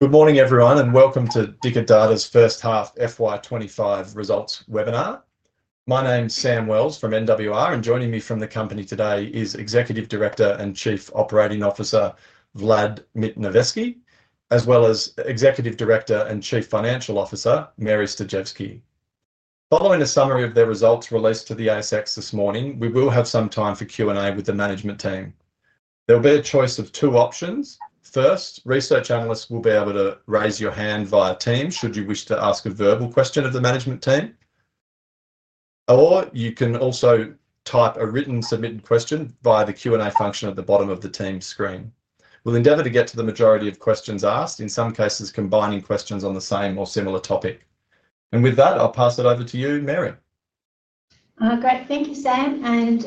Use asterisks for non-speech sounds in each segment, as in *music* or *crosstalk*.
Good morning, everyone, and welcome to Dicker Data's First Half FY 2025 Results Webinar. My name is Sam Wells from NWR, and joining me from the company today is Executive Director and Chief Operating Officer Vladimir Mitnovetski, as well as Executive Director and Chief Financial Officer Mary Stojcevski. Following a summary of their results released to the ASX this morning, we will have some time for Q&A with the management team. There will be a choice of two options. First, research analysts will be able to raise your hand via Teams should you wish to ask a verbal question of the management team, or you can also type a written submitted question via the Q&A function at the bottom of the Teams screen. We'll endeavor to get to the majority of questions asked, in some cases combining questions on the same or similar topic. With that, I'll pass it over to you, Mary. Great. Thank you, Sam, and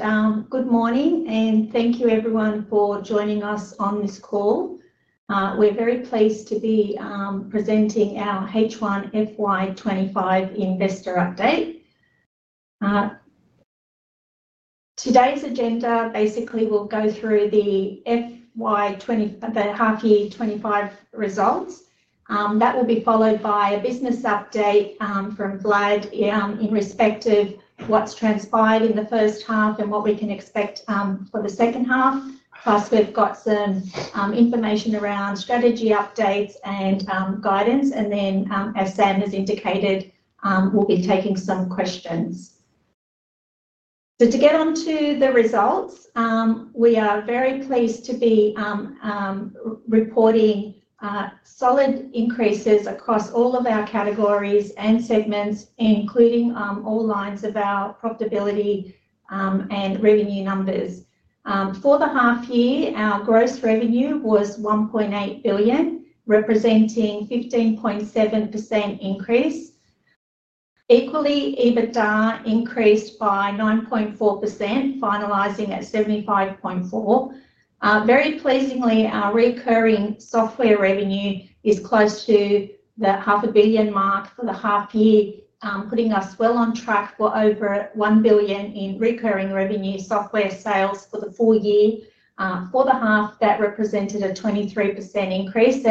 good morning, and thank you, everyone, for joining us on this call. We're very pleased to be presenting our H1 FY 2025 Investor Update. Today's agenda basically will go through the FY 2025, the half-year 2025 results. That will be followed by a business update from Vlad in respect of what's transpired in the first half and what we can expect for the second half, plus we've got some information around strategy updates and guidance. As Sam has indicated, we'll be taking some questions. To get onto the results, we are very pleased to be reporting solid increases across all of our categories and segments, including all lines of our profitability and revenue numbers. For the half-year, our gross revenue was 1.8 billion, representing a 15.7% increase. Equally, EBITDA increased by 9.4%, finalizing at 75.4 million. Very pleasingly, our recurring software revenue is close to the half-a-billion mark for the half-year, putting us well on track for over 1 billion in recurring software revenue sales for the full year. For the half, that represented a 23% increase.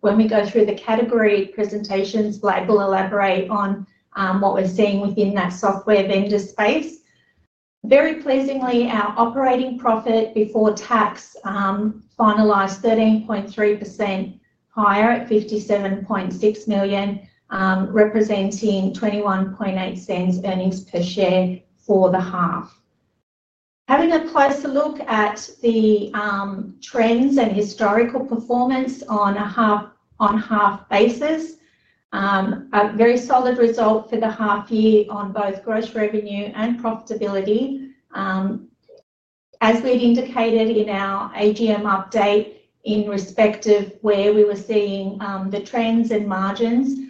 When we go through the category presentations, Vlad will elaborate on what we're seeing within that software vendor space. Very pleasingly, our operating profit before tax finalized 13.3% higher at 57.6 million, representing 0.218 earnings per share for the half. Having a closer look at the trends and historical performance on a half-on-half basis, a very solid result for the half-year on both gross revenue and profitability. As we'd indicated in our AGM update in respect of where we were seeing the trends in margins,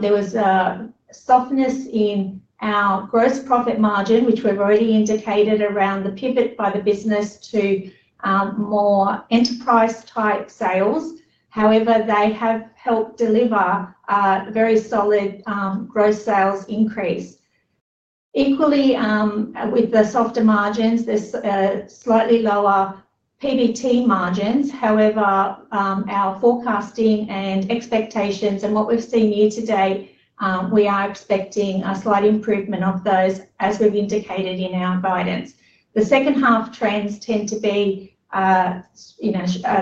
there was a softness in our gross profit margin, which we've already indicated around the pivot by the business to more enterprise-type sales. However, they have helped deliver a very solid gross sales increase. Equally, with the softer margins, there's slightly lower PBT margins. Our forecasting and expectations and what we've seen year to date, we are expecting a slight improvement of those, as we've indicated in our guidance. The second half trends tend to be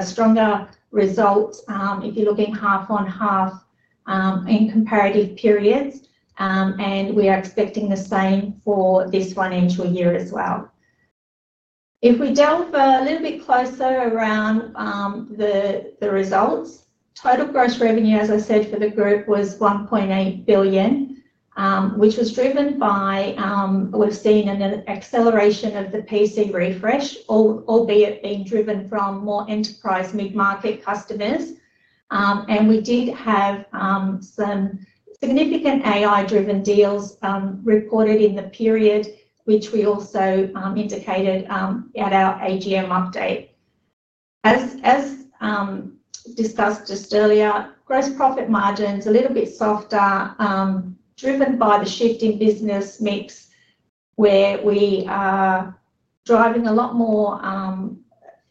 stronger results if you're looking half-on-half in comparative periods, and we are expecting the same for this financial year as well. If we delve a little bit closer around the results, total gross revenue, as I said, for the group was 1.8 billion, which was driven by what we've seen in an acceleration of the PC refresh, albeit being driven from more enterprise mid-market customers. We did have some significant AI-driven deals reported in the period, which we also indicated at our AGM update. As discussed just earlier, gross profit margins are a little bit softer, driven by the shift in business mix, where we are driving a lot more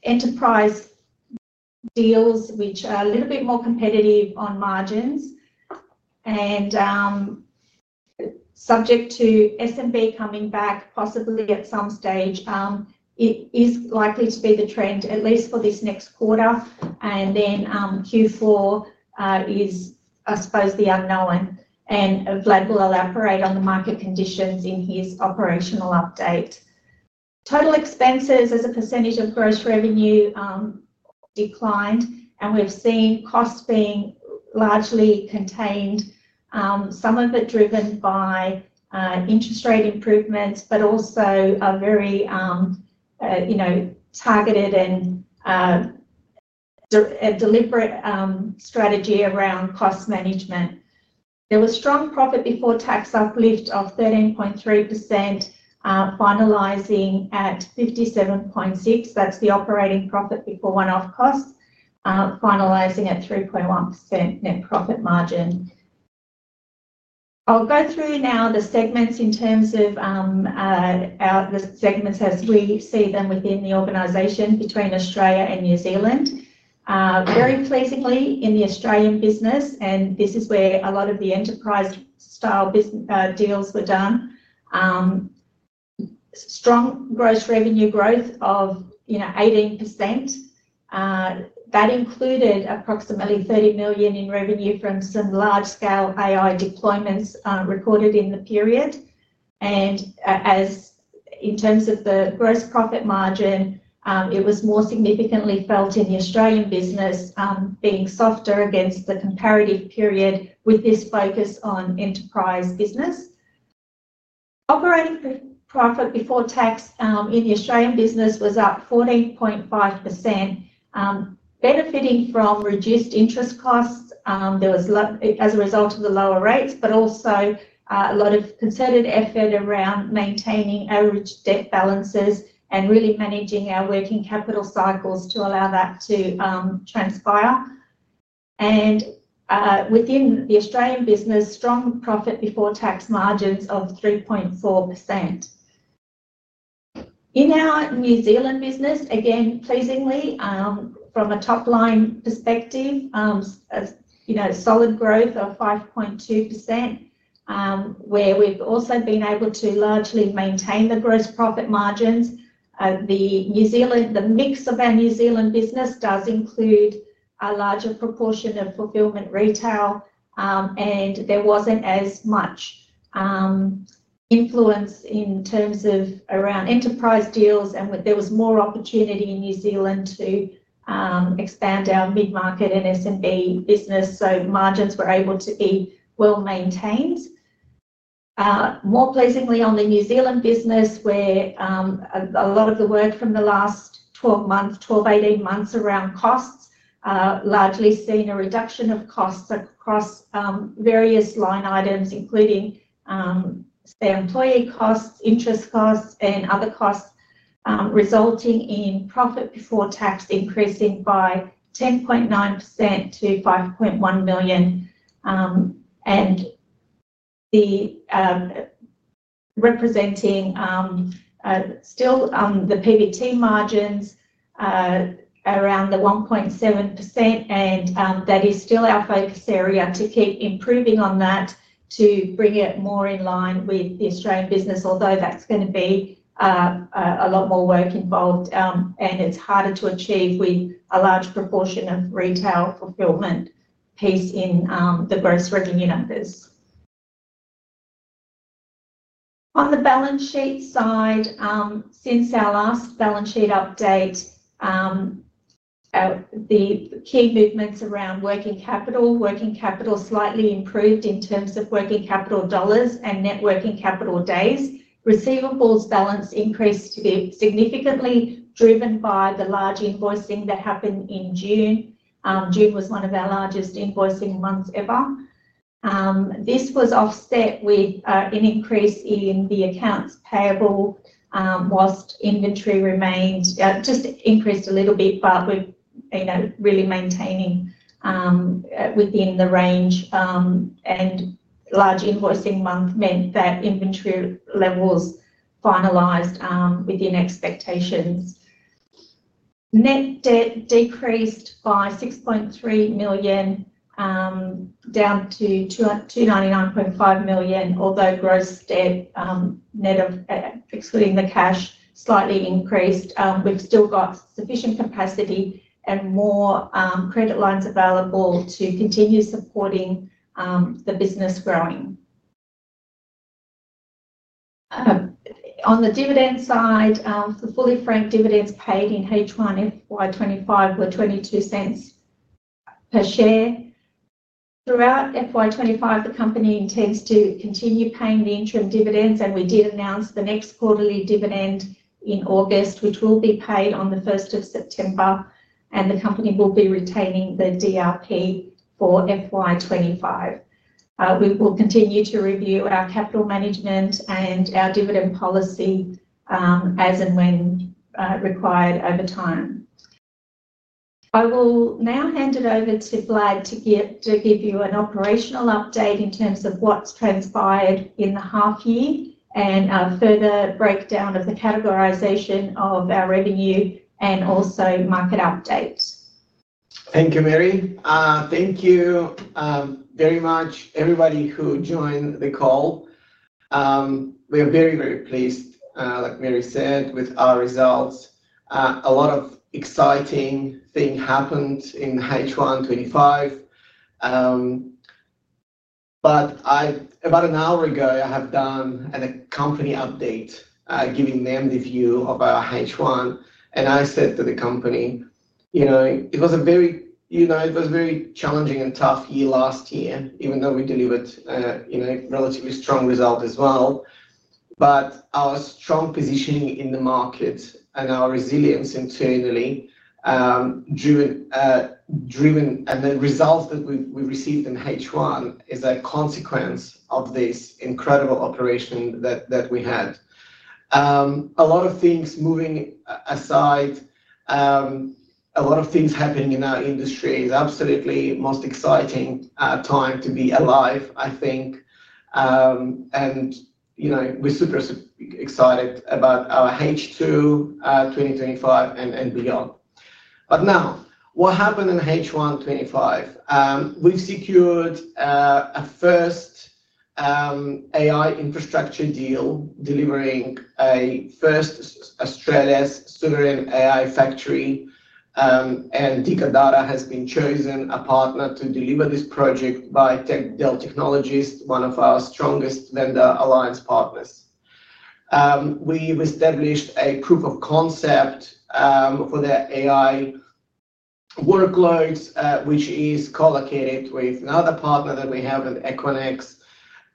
enterprise deals, which are a little bit more competitive on margins. Subject to SMB coming back possibly at some stage, it is likely to be the trend, at least for this next quarter. Q4 is, I suppose, the unknown. Vlad will elaborate on the market conditions in his operational update. Total expenses as a percentage of gross revenue declined, and we've seen costs being largely contained, some of it driven by interest rate improvements, but also a very targeted and deliberate strategy around cost management. There was strong profit before tax uplift of 13.3%, finalizing at 57.6 million. That's the operating profit before one-off costs, finalizing at 3.1% net profit margin. I'll go through now the segments in terms of the segments as we see them within the organization between Australia and New Zealand. Very pleasingly, in the Australian business, and this is where a lot of the enterprise-style deals were done, strong gross revenue growth of 18%. That included approximately 30 million in revenue from some large-scale AI deployments recorded in the period. In terms of the gross profit margin, it was more significantly felt in the Australian business, being softer against the comparative period with this focus on enterprise business. Operating profit before tax in the Australian business was up 14.5%, benefiting from reduced interest costs as a result of the lower rates, but also a lot of concerted effort around maintaining average debt balances and really managing our working capital cycles to allow that to transpire. Within the Australian business, strong profit before tax margins of 3.4%. In our New Zealand business, again, pleasingly, from a top-line perspective, solid growth of 5.2%, where we've also been able to largely maintain the gross profit margins. The mix of our New Zealand business does include a larger proportion of fulfillment retail, and there wasn't as much influence in terms of around enterprise deals, and there was more opportunity in New Zealand to expand our mid-market and SMB business. Margins were able to be well maintained. More pleasingly on the New Zealand business, where a lot of the work from the last 12 months, 12-18 months around costs, largely seeing a reduction of costs across various line items, including, say, employee costs, interest costs, and other costs, resulting in profit before tax increasing by 10.9% to AUD 5.1 million. Representing still the PBT margins around the 1.7%, and that is still our focus area, to keep improving on that to bring it more in line with the Australian business, although that's going to be a lot more work involved, and it's harder to achieve with a large proportion of retail fulfilment piece in the gross revenue numbers. On the balance sheet side, since our last balance sheet update, the key movements around working capital, working capital slightly improved in terms of working capital dollars and net working capital days. Receivables balance increased significantly, driven by the large invoicing that happened in June. June was one of our largest invoicing months ever. This was offset with an increase in the accounts payable, whilst inventory remained just increased a little bit, but we're really maintaining within the range. Large invoicing month meant that inventory levels finalized within expectations. Net debt decreased by 6.3 million, down to 299.5 million, although gross debt net, excluding the cash, slightly increased. We've still got sufficient capacity and more credit lines available to continue supporting the business growing. On the dividend side, for fully franked dividends paid in H1 FY 2025 were 0.22 per share. Throughout FY 2025, the company intends to continue paying the interim dividends, and we did announce the next quarterly dividend in August, which will be paid on the 1st of September, and the company will be retaining the DRP for FY 2025. We will continue to review our capital management and our dividend policy as and when required over time. I will now hand it over to Vlad to give you an operational update in terms of what's transpired in the half-year and a further breakdown of the categorization of our revenue and also market updates. Thank you, Mary. Thank you very much, everybody who joined the call. We're very, very pleased, like Mary said, with our results. A lot of exciting things happened in H1 2025. About an hour ago, I have done a company update, giving them the view of our H1. I said to the company, you know, it was a very challenging and tough year last year, even though we delivered a relatively strong result as well. Our strong positioning in the market and our resilience internally, driven and the results that we received in H1, is a consequence of this incredible operation that we had. A lot of things moving aside, a lot of things happening in our industry is absolutely the most exciting time to be alive, I think. You know, we're super excited about our H2 2025 and beyond. Now, what happened in H1 2025? We've secured a first AI infrastructure deal, delivering a first Australia's sovereign AI factory. Dicker Data has been chosen a partner to deliver this project by Dell Technologies, one of our strongest vendor alliance partners. We've established a proof of concept for the AI workloads, which is co-located with another partner that we have at Equinix.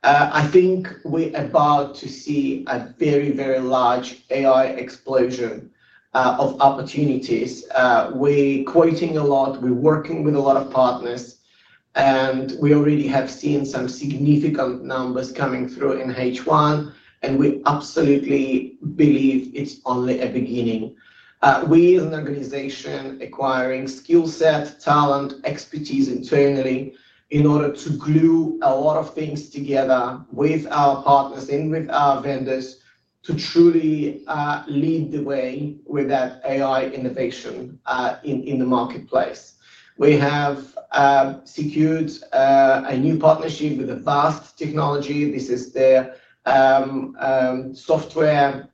I think we're about to see a very, very large AI explosion of opportunities. We're quoting a lot, we're working with a lot of partners, and we already have seen some significant numbers coming through in H1. We absolutely believe it's only a beginning. We as an organization are acquiring skill set, talent, expertise internally in order to glue a lot of things together with our partners and with our vendors to truly lead the way with that AI innovation in the marketplace. We have secured a new partnership with VAST Technology. This is the software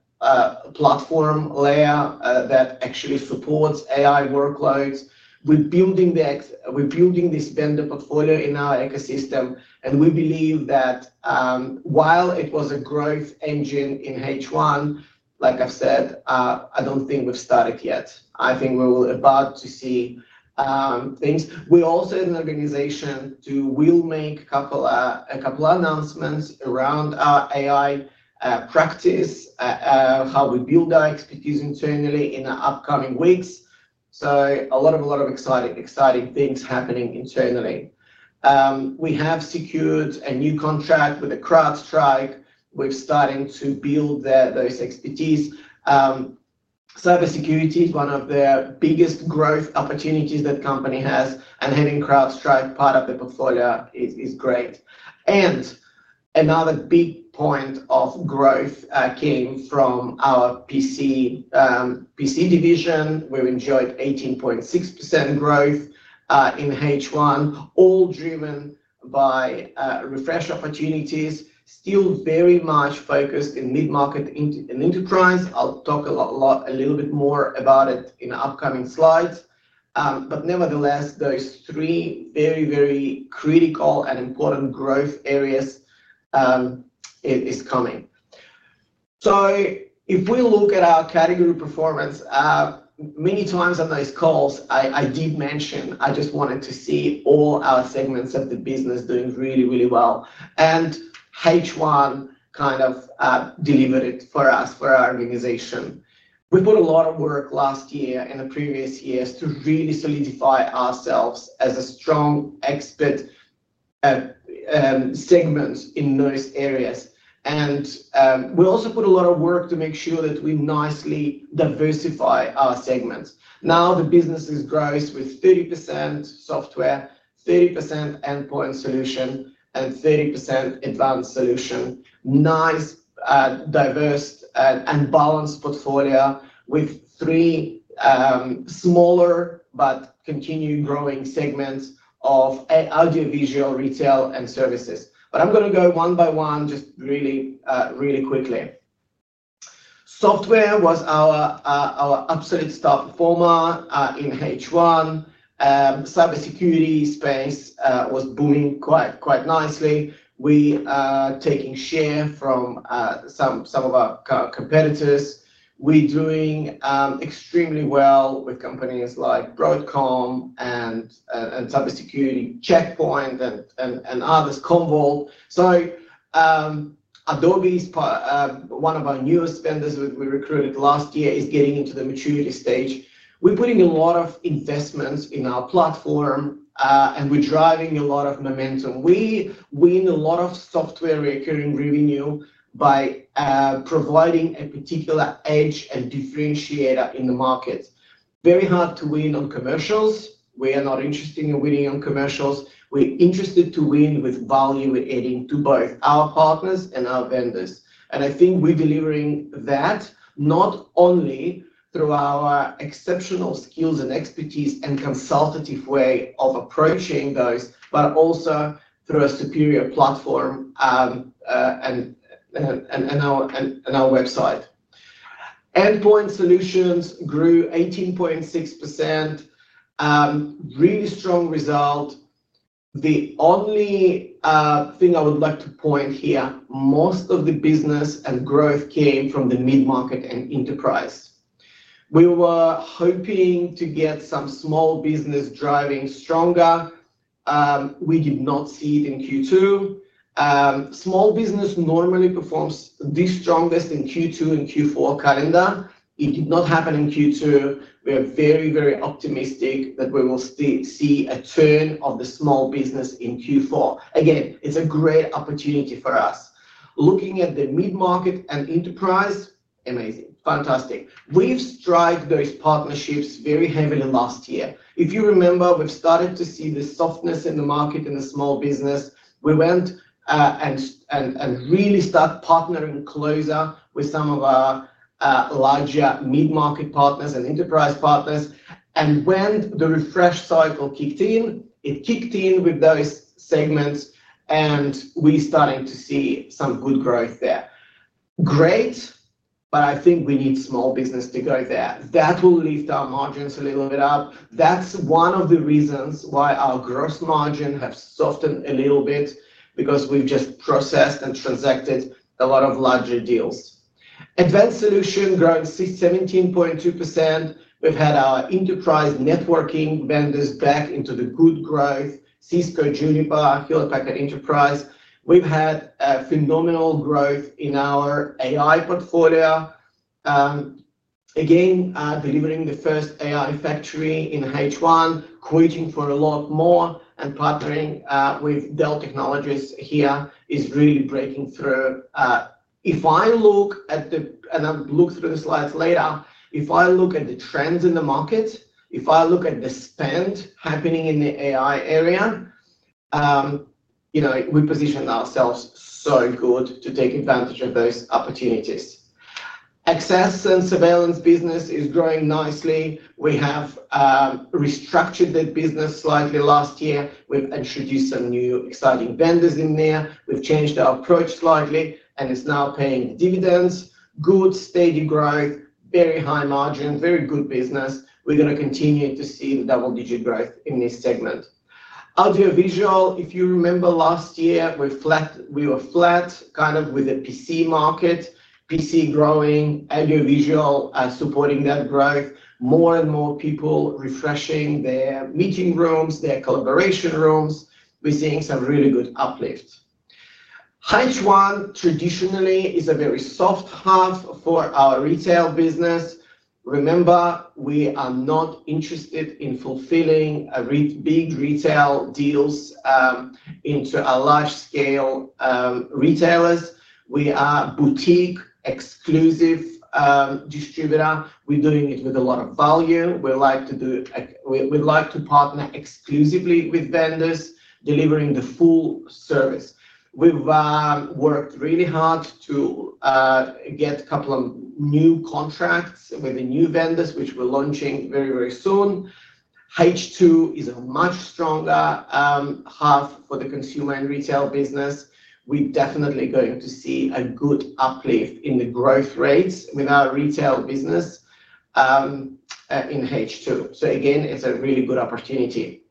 platform layer that actually supports AI workloads. We're building this vendor portfolio in our ecosystem, and we believe that while it was a growth engine in H1, like I've said, I don't think we've started yet. I think we're about to see things. We're also an organization to will make a couple of announcements around our AI practice, how we build our expertise internally in the upcoming weeks. A lot of exciting things happening internally. We have secured a new contract with CrowdStrike. We're starting to build those expertise. Cybersecurity is one of the biggest growth opportunities that the company has, and having CrowdStrike part of the portfolio is great. Another big point of growth came from our PC division. We've enjoyed 18.6% growth in H1, all driven by refresh opportunities, still very much focused in mid-market and enterprise. I'll talk a little bit more about it in the upcoming slides. Nevertheless, those three very, very critical and important growth areas are coming. If we look at our category performance, many times on those calls, I did mention I just wanted to see all our segments of the business doing really, really well. H1 kind of delivered it for us, for our organization. We put a lot of work last year and the previous years to really solidify ourselves as a strong expert segment in those areas. We also put a lot of work to make sure that we nicely diversify our segments. Now the business is growing with 30% software, 30% Endpoint Solutions, and 30% Advanced Solutions. Nice, diverse, and balanced portfolio with three smaller but continuing growing segments of audiovisual, retail, and services. I'm going to go one by one just really, really quickly. Software was our absolute star performer in H1. Cybersecurity solutions space was booming quite nicely. We are taking share from some of our competitors. We're doing extremely well with companies like Broadcom, Cybersecurity Checkpoint, and others, Commvault. Adobe is one of our newest vendors we recruited last year, is getting into the maturity stage. We're putting a lot of investments in our platform, and we're driving a lot of momentum. We win a lot of recurring software revenue by providing a particular edge and differentiator in the market. Very hard to win on commercials. We are not interested in winning on commercials. We're interested to win with value we're adding to both our partners and our vendors. I think we're delivering that not only through our exceptional skills and expertise and consultative way of approaching those, but also through a superior platform and our website. Endpoint Solutions grew 18.6%. Really strong result. The only thing I would like to point here, most of the business and growth came from the mid-market and enterprise. We were hoping to get some small business driving stronger. We did not see it in Q2. Small business normally performs the strongest in Q2 and Q4 calendar. It did not happen in Q2. We are very, very optimistic that we will see a turn of the small business in Q4. Again, it's a great opportunity for us. Looking at the mid-market and enterprise, amazing, fantastic. We've strived those partnerships very heavily last year. If you remember, we've started to see the softness in the market in the small business. We went and really started partnering closer with some of our larger mid-market partners and enterprise partners. When the PC refresh cycle kicked in, it kicked in with those segments, and we're starting to see some good growth there. Great, but I think we need small business to go there. That will lift our margins a little bit up. That's one of the reasons why our gross margin has softened a little bit because we've just processed and transacted a lot of larger deals. Advanced Solutions growing 17.2%. We've had our enterprise networking vendors back into the good growth: Cisco, Juniper, Hewlett Packard Enterprise. We've had phenomenal growth in our AI portfolio. Again, delivering the first AI factory in H1, quoting for a lot more, and partnering with Dell Technologies here is really breaking through. If I look at the, and I'll look through the slides later, if I look at the trends in the market, if I look at the spend happening in the AI area, you know, we positioned ourselves so good to take advantage of those opportunities. Access and surveillance business is growing nicely. We have restructured the business slightly last year. We've introduced some new exciting vendors in there. We've changed our approach slightly, and it's now paying dividends. Good, steady growth, very high margin, very good business. We're going to continue to see the double-digit growth in this segment. Audiovisual, if you remember last year, we were flat kind of with the PC market. PC growing, audiovisual supporting that growth. More and more people refreshing their meeting rooms, their collaboration rooms. We're seeing some really good uplift. H1 traditionally is a very soft half for our retail business. Remember, we are not interested in fulfilling big retail deals into our large-scale retailers. We are a boutique exclusive distributor. We're doing it with a lot of value. We like to do, we like to partner exclusively with vendors, delivering the full service. We've worked really hard to get a couple of new contracts with the new vendors, which we're launching very, very soon. H2 is a much stronger half for the consumer and retail business. We're definitely going to see a good uplift in the growth rates with our retail business in H2. It's a really good opportunity.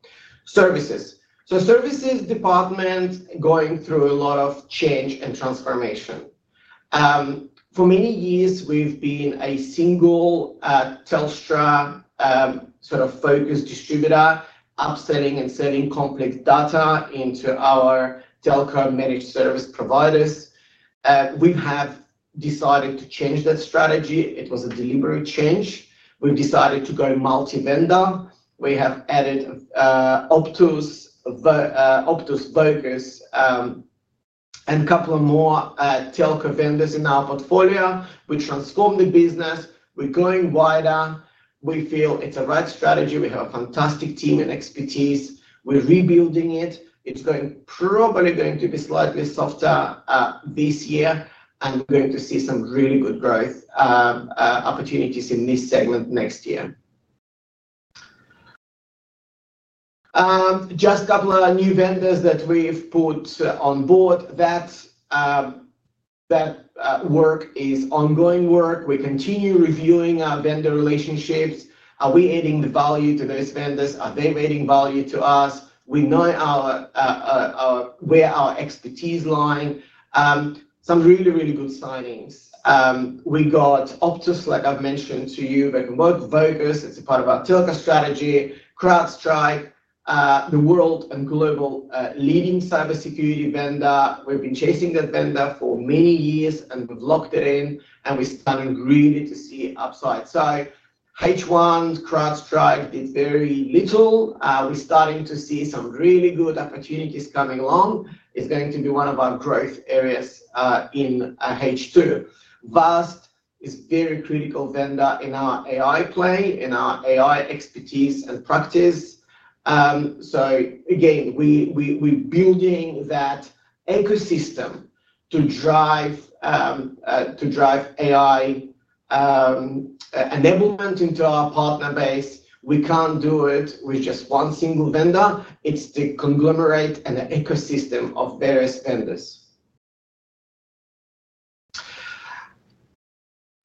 Services. Services department going through a lot of change and transformation. For many years, we've been a single Telstra sort of focused distributor, upselling and selling complex data into our Telco managed service providers. We have decided to change that strategy. It was a deliberate change. We've decided to go multi-vendor. We have added Optus, Vocus, and a couple of more Telco vendors in our portfolio. We transformed the business. We're going wider. We feel it's the right strategy. We have a fantastic team and expertise. We're rebuilding it. It's probably going to be slightly softer this year, and we're going to see some really good growth opportunities in this segment next year. Just a couple of new vendors that we've put on board. That work is ongoing work. We continue reviewing our vendor relationships. Are we adding the value to those vendors? Are they adding value to us? We know where our expertise lies. Some really, really good signings. We got Optus, like I've mentioned to you, Vocus. It's a part of our Telco strategy. CrowdStrike, the world and global leading cybersecurity vendor. We've been chasing that vendor for many years, and we've locked it in, and we're starting really to see upside. H1, CrowdStrike did very little. We're starting to see some really good opportunities coming along. It's going to be one of our growth areas in H2. Vast is a very critical vendor in our AI play, in our AI expertise and practice. We're building that ecosystem to drive AI enablement into our partner base. We can't do it with just one single vendor. It's to conglomerate an ecosystem of various vendors.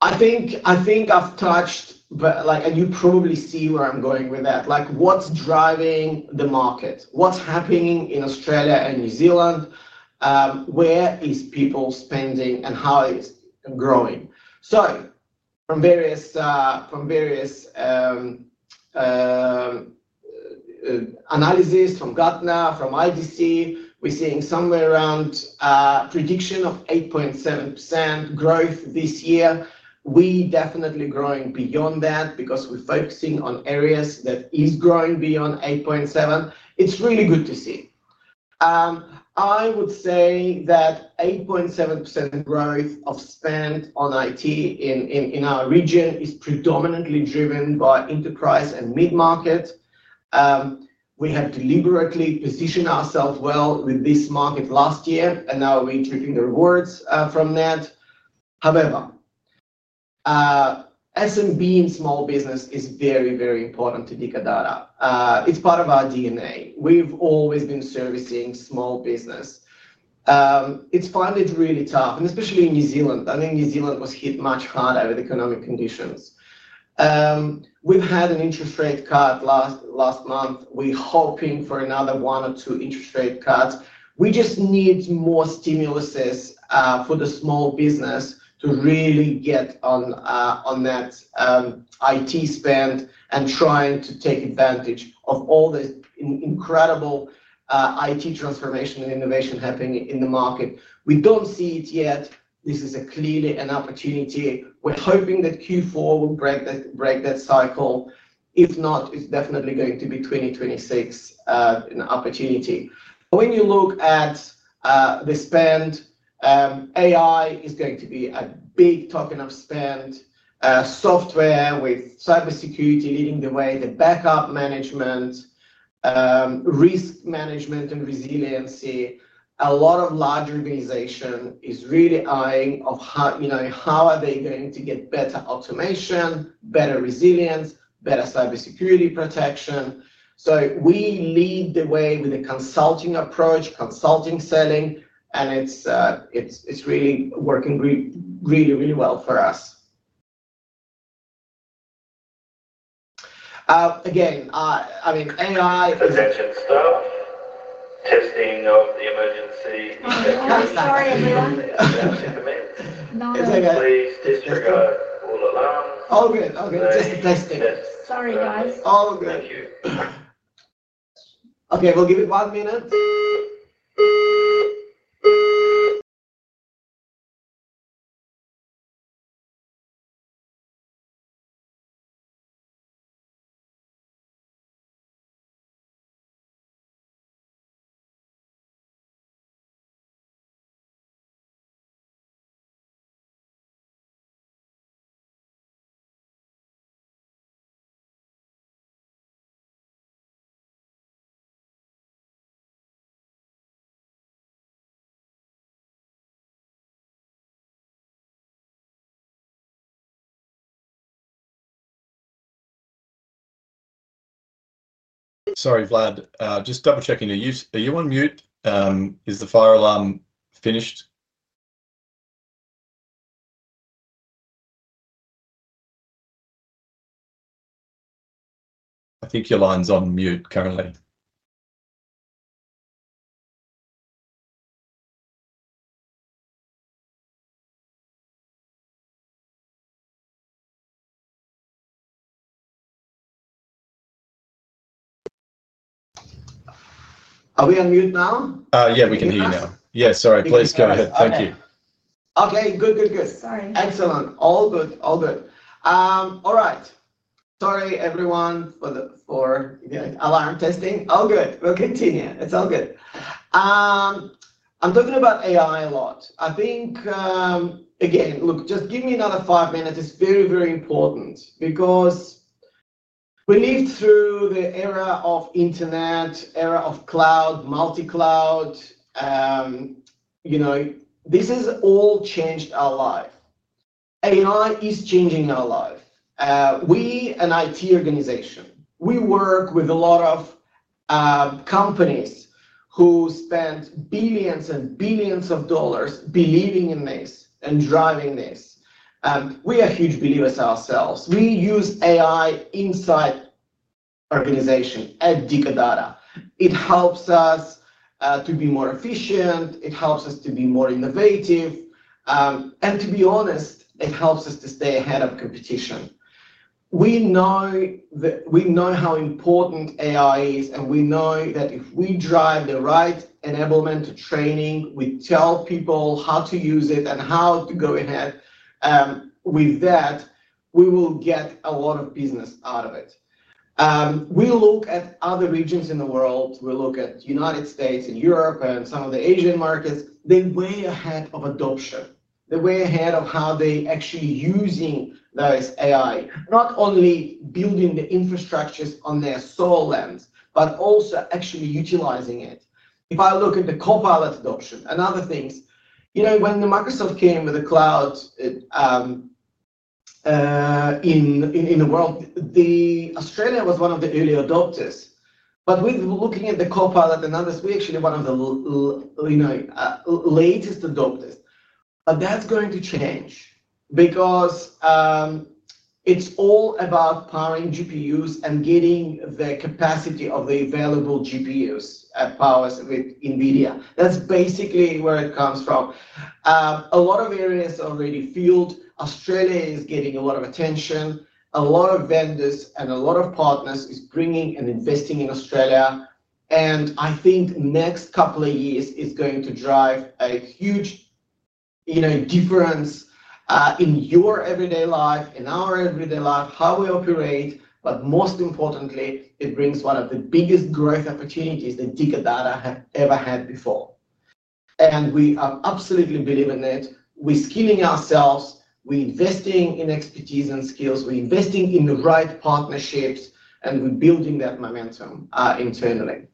I think I've touched, and you probably see where I'm going with that. Like what's driving the market? What's happening in Australia and New Zealand? Where is people spending and how is it growing? From various analysis from Gartner, from IDC, we're seeing somewhere around a prediction of 8.7% growth this year. We're definitely growing beyond that because we're focusing on areas that are growing beyond 8.7%. It's really good to see. I would say that 8.7% growth of spend on IT in our region is predominantly driven by enterprise and mid-market. We have deliberately positioned ourselves well with this market last year, and now we're dripping the rewards from that. However, SMB and small business is very, very important to Dicker Data. It's part of our DNA. We've always been servicing small business. It's finding it really tough, and especially in New Zealand. New Zealand was hit much harder with economic conditions. We've had an interest rate cut last month. We're hoping for another one or two interest rate cuts. We just need more stimulus for the small business to really get on that IT spend and trying to take advantage of all the incredible IT transformation and innovation happening in the market. We don't see it yet. This is clearly an opportunity. We're hoping that Q4 will break that cycle. If not, it's definitely going to be 2026 in opportunity. When you look at the spend, AI is going to be a big token of spend. Software with cybersecurity leading the way, the backup management, risk management, and resiliency. A lot of large organizations are really eyeing how are they going to get better automation, better resilience, better cybersecurity protection. We lead the way with a consulting approach, consultative selling, and it's really working really, really well for us. Again, I mean, AI for the... Sorry, everyone. No, no, no. All good. All good. Just testing. Sorry, guys. All good. Okay, we'll give it one minute. Sorry, Vlad. Just double-checking, are you on mute? Is the fire alarm finished? I think your line's on mute currently. Are we on mute now? Yeah, we can hear you now. Sorry. Please go ahead. Thank you. Okay. Good, good, good. Sorry. Excellent. All good. All good. All right. Sorry, everyone, for the alarm testing. All good. We'll continue. It's all good. I'm talking about AI a lot. I think, again, look, just give me another five minutes. It's very, very important because we live through the era of internet, era of cloud, multi-cloud. You know, this has all changed our life. AI is changing our life. We are an IT organization. We work with a lot of companies who spend billions and billions of dollars believing in this and driving this. We are huge believers ourselves. We use AI inside the organization at Dicker Data. It helps us to be more efficient. It helps us to be more innovative. To be honest, it helps us to stay ahead of competition. We know how important AI is, and we know that if we drive the right enablement to training, we tell people how to use it and how to go ahead with that, we will get a lot of business out of it. We look at other regions in the world. We look at the United States and Europe and some of the Asian markets. They're way ahead of adoption. They're way ahead of how they're actually using those AI, not only building the infrastructures on their soil lands, but also actually utilizing it. If I look at the Copilot adoption and other things, you know, when Microsoft came with the cloud in the world, Australia was one of the early adopters. With looking at the Copilot and others, we're actually one of the latest adopters. That's going to change because it's all about powering GPUs and getting the capacity of the available GPUs powered with NVIDIA. That's basically where it comes from. A lot of areas are already filled. Australia is getting a lot of attention. A lot of vendors and a lot of partners are bringing and investing in Australia. I think the next couple of years are going to drive a huge, you know, difference in your everyday life, in our everyday life, how we operate. Most importantly, it brings one of the biggest growth opportunities that Dicker Data has ever had before. We absolutely believe in it. We're skilling ourselves. We're investing in expertise and skills. We're investing in the right partnerships, and we're building that momentum internally.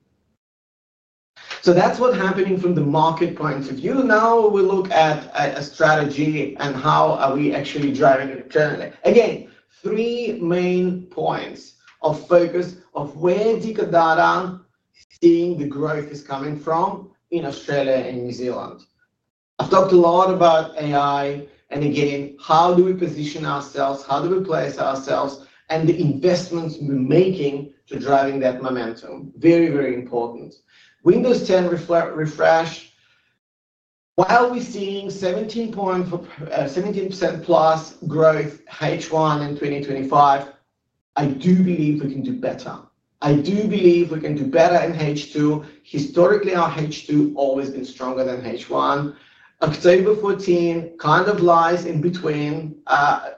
That's what's happening from the market point of view. Now we look at a strategy and how are we actually driving it internally. Again, three main points of focus of where Dicker Data is seeing the growth is coming from in Australia and New Zealand. I've talked a lot about AI, and again, how do we position ourselves? How do we place ourselves and the investments we're making to driving that momentum? Very, very important. Windows 10 refresh. While we're seeing 17%+ growth H1 in 2025, I do believe we can do better. I do believe we can do better in H2. Historically, our H2 has always been stronger than H1. October 14 kind of lies in between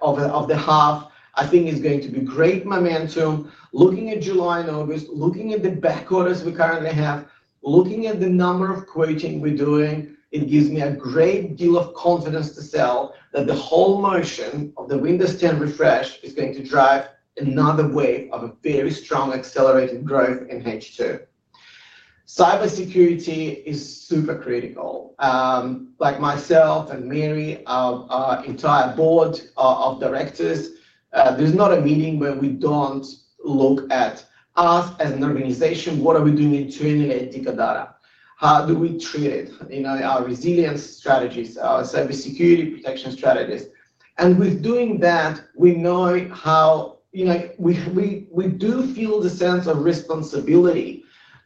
of the half. I think it's going to be great momentum. Looking at July and August, looking at the back orders we currently have, looking at the number of quoting we're doing, it gives me a great deal of confidence to sell that the whole motion of the Windows 10 refresh is going to drive another wave of a very strong accelerated growth in H2. Cybersecurity is super critical. Like myself and Mary, our entire Board of Directors, there's not a meeting where we don't look at us as an organization. What are we doing internally at Dicker Data? How do we treat it in our resilience strategies, our cybersecurity protection strategies? With doing that, we know how, you know, we do feel the sense of responsibility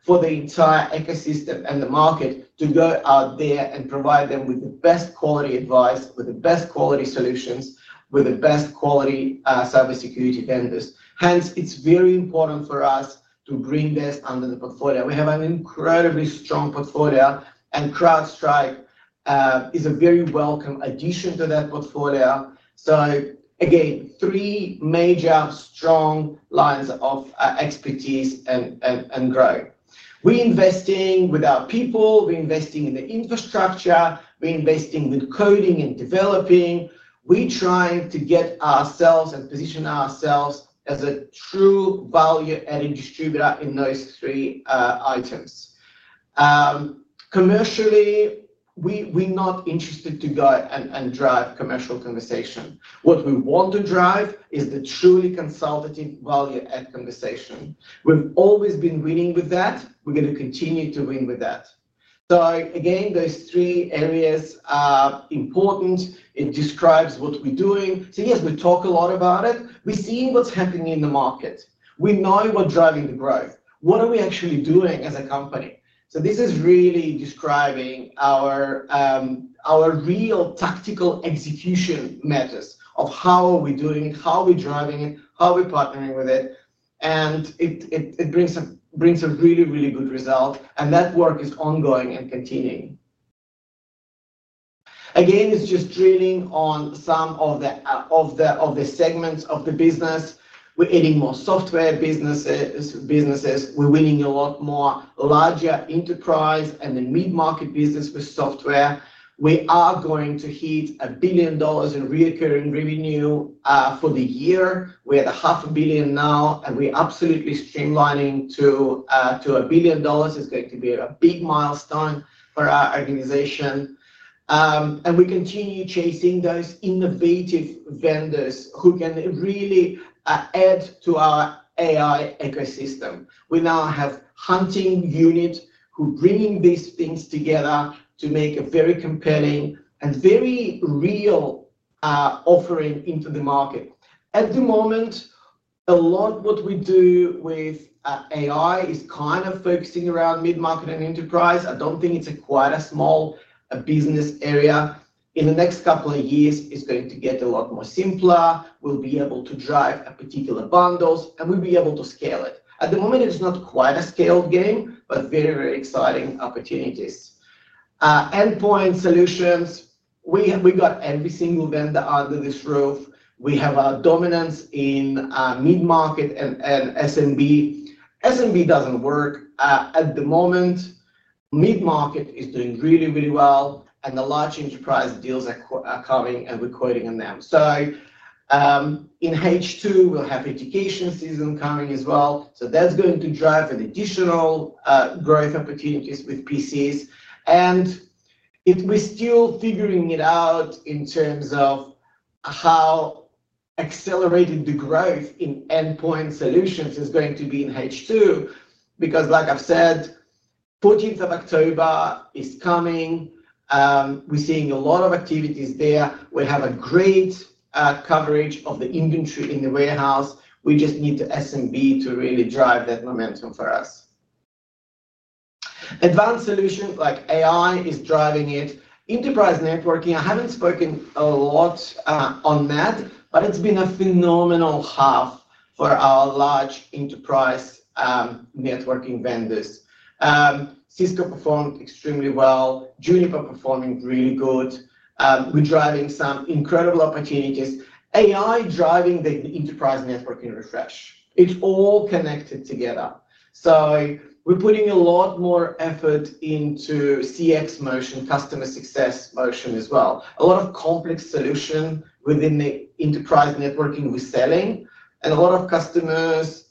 for the entire ecosystem and the market to go out there and provide them with the best quality advice, with the best quality solutions, with the best quality cybersecurity vendors. Hence, it's very important for us to bring this under the portfolio. We have an incredibly strong portfolio, and CrowdStrike is a very welcome addition to that portfolio. Again, three major strong lines of expertise and growth. We're investing with our people. We're investing in the infrastructure. We're investing with coding and developing. We're trying to get ourselves and position ourselves as a true value-adding distributor in those three items. Commercially, we're not interested to go and drive commercial conversation. What we want to drive is the truly consultative value-add conversation. We've always been winning with that. We're going to continue to win with that. Those three areas are important. It describes what we're doing. Yes, we talk a lot about it. We're seeing what's happening in the market. We know what's driving the growth. What are we actually doing as a company? This is really describing our real tactical execution methods of how are we doing it, how are we driving it, how are we partnering with it. It brings a really, really good result. That work is ongoing and continuing. Again, it's just drilling on some of the segments of the business. We're adding more software businesses. We're winning a lot more larger enterprise and the mid-market business with software. We are going to hit 1 billion dollars in recurring revenue for the year. We're at 0.5 billion now, and we're absolutely streamlining to 1 billion dollars. It's going to be a big milestone for our organization. We continue chasing those innovative vendors who can really add to our AI ecosystem. We now have a hunting unit who's bringing these things together to make a very compelling and very real offering into the market. At the moment, a lot of what we do with AI is kind of focusing around mid-market and enterprise. I don't think it's quite a small business area. In the next couple of years, it's going to get a lot more simpler. We'll be able to drive a particular bundle, and we'll be able to scale it. At the moment, it's not quite a scaled game, but very, very exciting opportunities. Endpoint Solutions, we got every single vendor under this roof. We have our dominance in mid-market and SMB. SMB doesn't work at the moment. Mid-market is doing really, really well, and the large enterprise deals are coming, and we're quoting on them. In H2, we'll have education season coming as well. That's going to drive an additional growth opportunity with PCs. We're still figuring it out in terms of how accelerated the growth in Endpoint Solutions is going to be in H2 because, like I've said, October 14 is coming. We're seeing a lot of activities there. We have a great coverage of the inventory in the warehouse. We just need the SMB to really drive that momentum for us. Advanced Solutions like AI are driving it. Enterprise networking, I haven't spoken a lot on that, but it's been a phenomenal half for our large enterprise networking vendors. Cisco performed extremely well. Juniper performed really good. We're driving some incredible opportunities. AI is driving the enterprise networking refresh. It's all connected together. We're putting a lot more effort into CX-Motion, customer success motion as well. A lot of complex solutions within the enterprise networking we're selling, and a lot of customers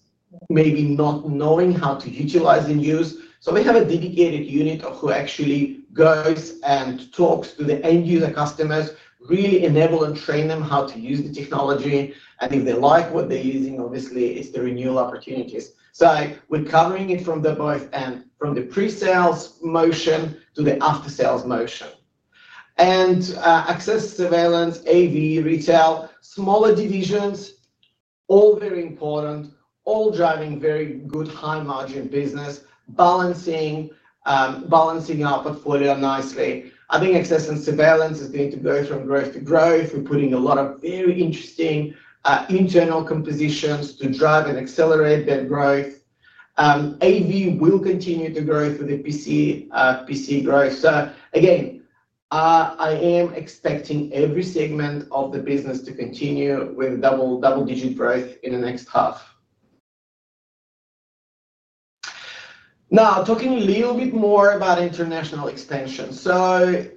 maybe not knowing how to utilize and use. We have a dedicated unit who actually goes and talks to the end-user customers, really enables and trains them how to use the technology. If they like what they're using, obviously, it's the renewal opportunities. We're covering it from both ends, from the pre-sales motion to the after-sales motion. Access, surveillance, AV, retail, smaller divisions, all very important, all driving very good high-margin business, balancing our portfolio nicely. I think access and surveillance is going to go from growth to growth. We're putting a lot of very interesting internal compositions to drive and accelerate that growth. AV will continue to grow through the PC growth. I am expecting every segment of the business to continue with double-digit growth in the next half. Now, talking a little bit more about international expansion. The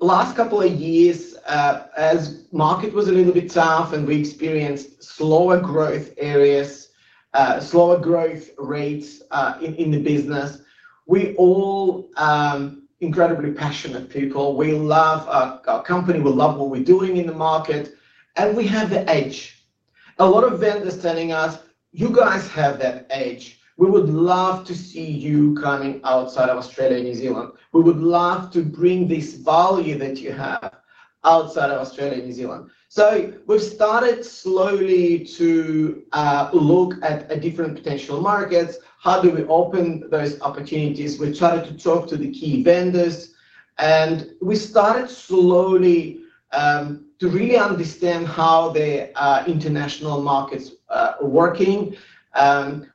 last couple of years, as the market was a little bit tough and we experienced slower growth areas, slower growth rates in the business, we're all incredibly passionate people. We love our company. We love what we're doing in the market. We have the edge. A lot of vendors are telling us, "You guys have that edge. We would love to see you coming outside of Australia and New Zealand. We would love to bring this value that you have outside of Australia and New Zealand." We've started slowly to look at different potential markets. How do we open those opportunities? We've started to talk to the key vendors, and we've started slowly to really understand how the international markets are working.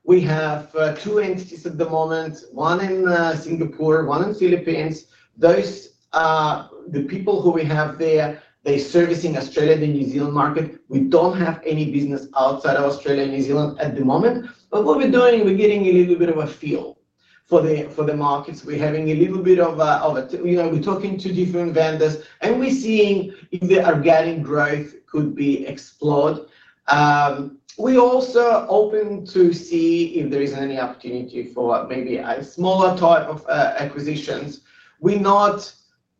We have two entities at the moment, one in Singapore, one in the Philippines. Those are the people who we have there. They're servicing Australia and the New Zealand market. We don't have any business outside of Australia and New Zealand at the moment. What we're doing, we're getting a little bit of a feel for the markets. We're talking to different vendors, and we're seeing if they are getting growth, could be explored. We're also open to see if there's any opportunity for maybe a smaller type of acquisitions. We're not,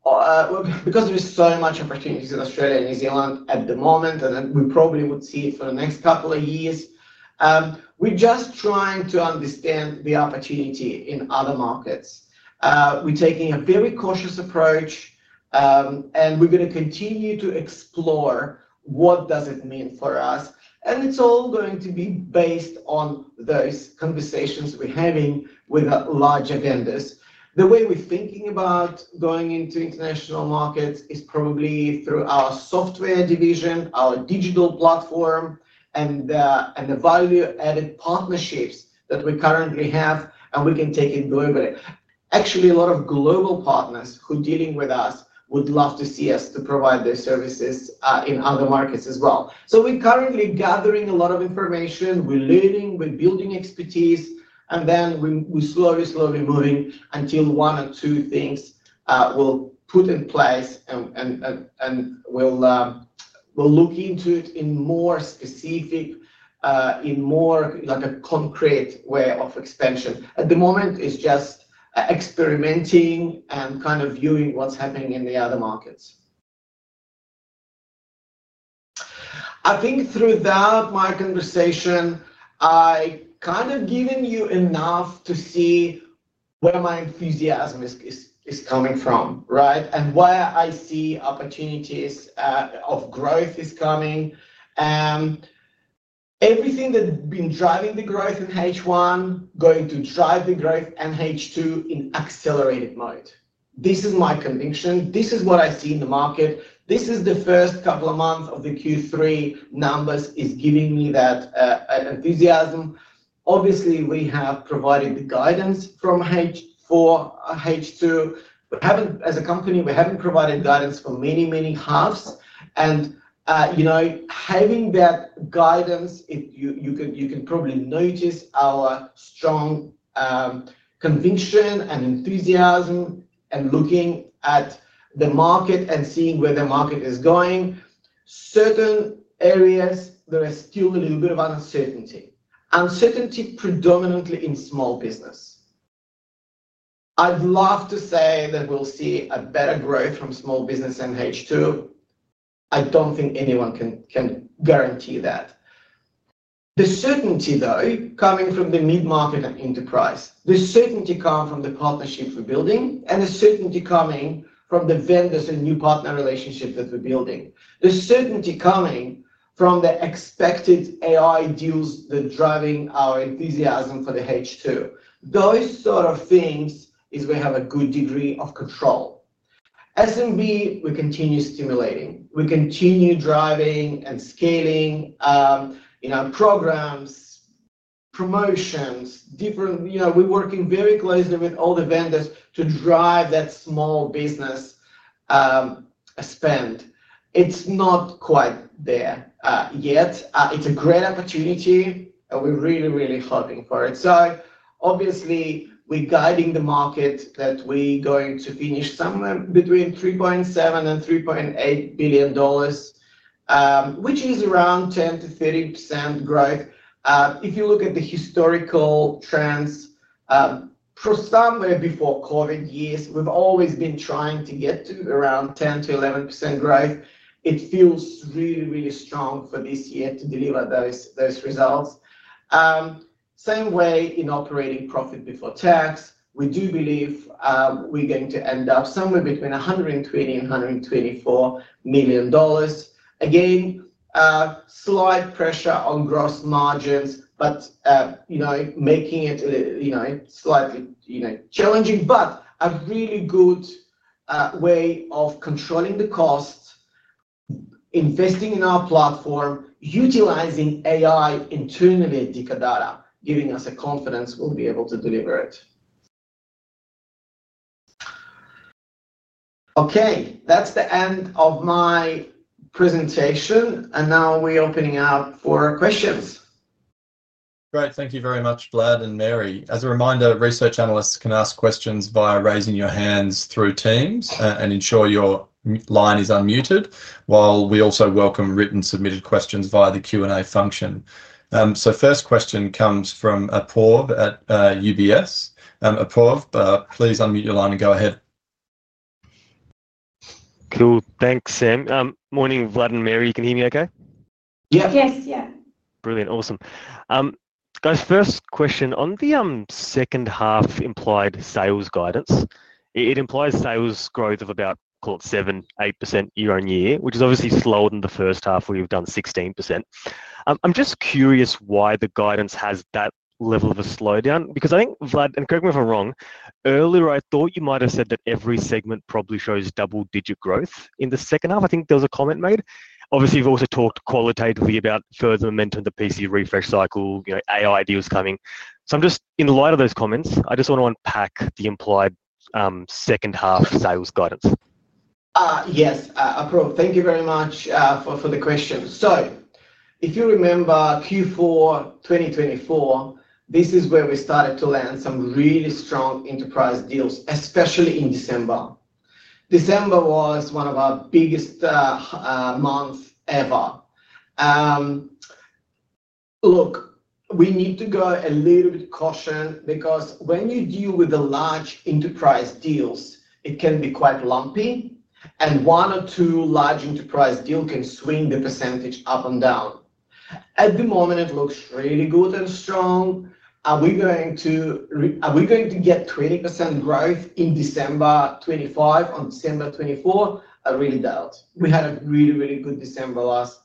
because there's so much opportunity in Australia and New Zealand at the moment, and we probably would see it for the next couple of years. We're just trying to understand the opportunity in other markets. We're taking a very cautious approach, and we're going to continue to explore what it means for us. It's all going to be based on those conversations we're having with larger vendors. The way we're thinking about going into international markets is probably through our software division, our digital platform, and the value-added partnerships that we currently have, and we can take it globally. Actually, a lot of global partners who are dealing with us would love to see us provide their services in other markets as well. We're currently gathering a lot of information. We're learning. We're building expertise, and then we're slowly, slowly moving until one or two things we'll put in place, and we'll look into it in more specific, in more like a concrete way of expansion. At the moment, it's just experimenting and kind of viewing what's happening in the other markets. I think through that, my conversation, I've kind of given you enough to see where my enthusiasm is coming from, right, and where I see opportunities of growth coming. Everything that's been driving the growth in H1 is going to drive the growth in H2 in accelerated mode. This is my conviction. This is what I see in the market. This is the first couple of months of the Q3 numbers giving me that enthusiasm. Obviously, we have provided the guidance from H4. H2, as a company, we haven't provided guidance for many, many halves. You know, having that guidance, you could probably notice our strong conviction and enthusiasm and looking at the market and seeing where the market is going. Certain areas, there is still a little bit of uncertainty, uncertainty predominantly in small business. I'd love to say that we'll see a better growth from small business in H2. I don't think anyone can guarantee that. The certainty, though, coming from the mid-market and enterprise, the certainty coming from the partnership we're building, and the certainty coming from the vendors and new partner relationships that we're building, the certainty coming from the expected AI deals that are driving our enthusiasm for the H2, those sort of things is where we have a good degree of control. SMB, we continue stimulating. We continue driving and scaling in our programs, promotions, different. We're working very closely with all the vendors to drive that small business spend. It's not quite there yet. It's a great opportunity, and we're really, really hoping for it. We're guiding the market that we're going to finish somewhere between 3.7 billion and 3.8 billion dollars, which is around 10%-30% growth. If you look at the historical trends, for somewhere before COVID years, we've always been trying to get to around 10 to 11% growth. It feels really, really strong for this year to deliver those results. Same way in operating profit before tax. We do believe we're going to end up somewhere between 120 million dollars and 124 million dollars. Again, slight pressure on gross margins, making it slightly challenging, but a really good way of controlling the costs, investing in our platform, utilizing AI internally at Dicker Data, giving us the confidence we'll be able to deliver it. That's the end of my presentation, and now we're opening up for questions. Great. Thank you very much, Vlad and Mary. As a reminder, research analysts can ask questions via raising your hands through Teams and ensure your line is unmuted. We also welcome written submitted questions via the Q&A function. The first question comes from Apoorv at UBS. Apov, please unmute your line and go ahead. Cool. Thanks, Sam. Morning, Vlad and Mary. You can hear me okay? Yeah. Yes, yeah. Brilliant. Awesome. Guys, first question. On the second half, implied sales guidance, it implies sales growth of about, call it, 7%, 8% year-on-year, which is obviously slower than the first half where you've done 16%. I'm just curious why the guidance has that level of a slowdown because I think, Vlad, and correct me if I'm wrong, earlier I thought you might have said that every segment probably shows double-digit growth in the second half. I think there was a comment made. Obviously, you've also talked qualitatively about further momentum to PC refresh cycle, you know, AI deals coming. In light of those comments, I just want to unpack the implied second half sales guidance. Yes, Apoorv, thank you very much for the question. If you remember Q4 2024, this is where we started to land some really strong enterprise deals, especially in December. December was one of our biggest months ever. We need to go a little bit cautious because when you deal with the large enterprise deals, it can be quite lumpy, and one or two large enterprise deals can swing the percentage up and down. At the moment, it looks really good and strong. Are we going to get 20% growth in December 2025 on December 2024? I really doubt. We had a really, really good December last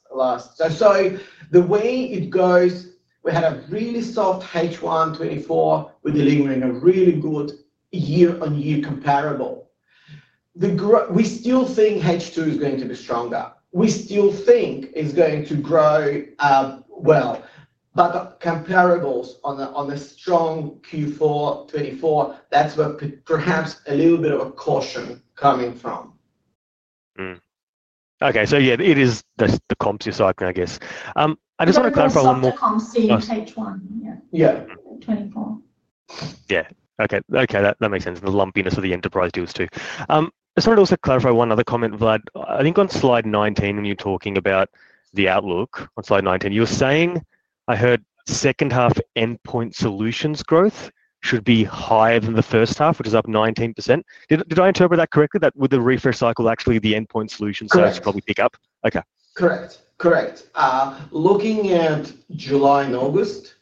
year. The way it goes, we had a really soft H1 2024 with delivering a really good year-on-year comparable. We still think H2 is going to be stronger. We still think it's going to grow well. Comparables on a strong Q4 2024, that's where perhaps a little bit of a caution coming from. Okay. It is the comps cycle, I guess. I just want to clarify one more. Comsy H1. Yeah. Yeah. Okay. That makes sense. The lumpiness of the enterprise deals too. I just wanted to also clarify one other comment, Vlad. I think on slide 19, when you're talking about the outlook, on slide 19, you're saying I heard second half Endpoint Solutions growth should be higher than the first half, which is up 19%. Did I interpret that correctly, that with the refresh cycle, actually, the Endpoint Solutions are supposed to probably pick up? Okay. Correct. Correct. Looking at July and August,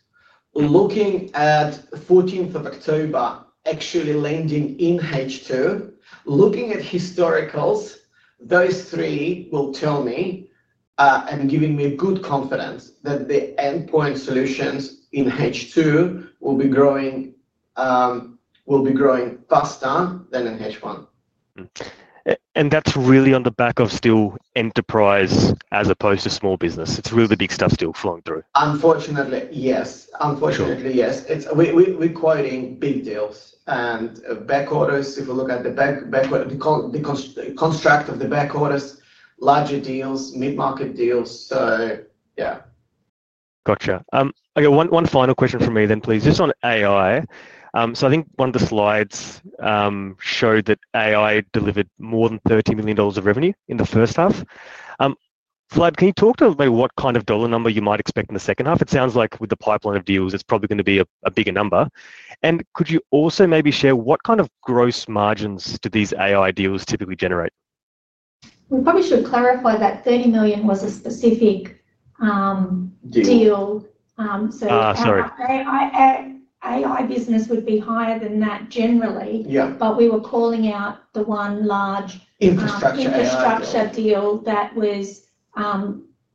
looking at 14th of October actually landing in H2, looking at historicals, those three will tell me and give me good confidence that the Endpoint Solutions in H2 will be growing faster than in H1. That's really on the back of still enterprise as opposed to small business. It's real big stuff still flowing through. Unfortunately, yes. We're quoting big deals and back orders. If we look at the construct of the back orders, larger deals, mid-market deals. Yeah. Gotcha. Okay. One final question from me then, please, just on AI. I think one of the slides showed that AI delivered more than 30 million dollars of revenue in the first half. Vlad, can you talk to me about what kind of dollar number you might expect in the second half? It sounds like with the pipeline of deals, it's probably going to be a bigger number. Could you also maybe share what kind of gross margins do these AI deals typically generate? We probably should clarify that AU D30 million was a specific deal. Sorry. AI business would be higher than that generally. Yeah. We were calling out the one large. Infrastructure. Infrastructure deal that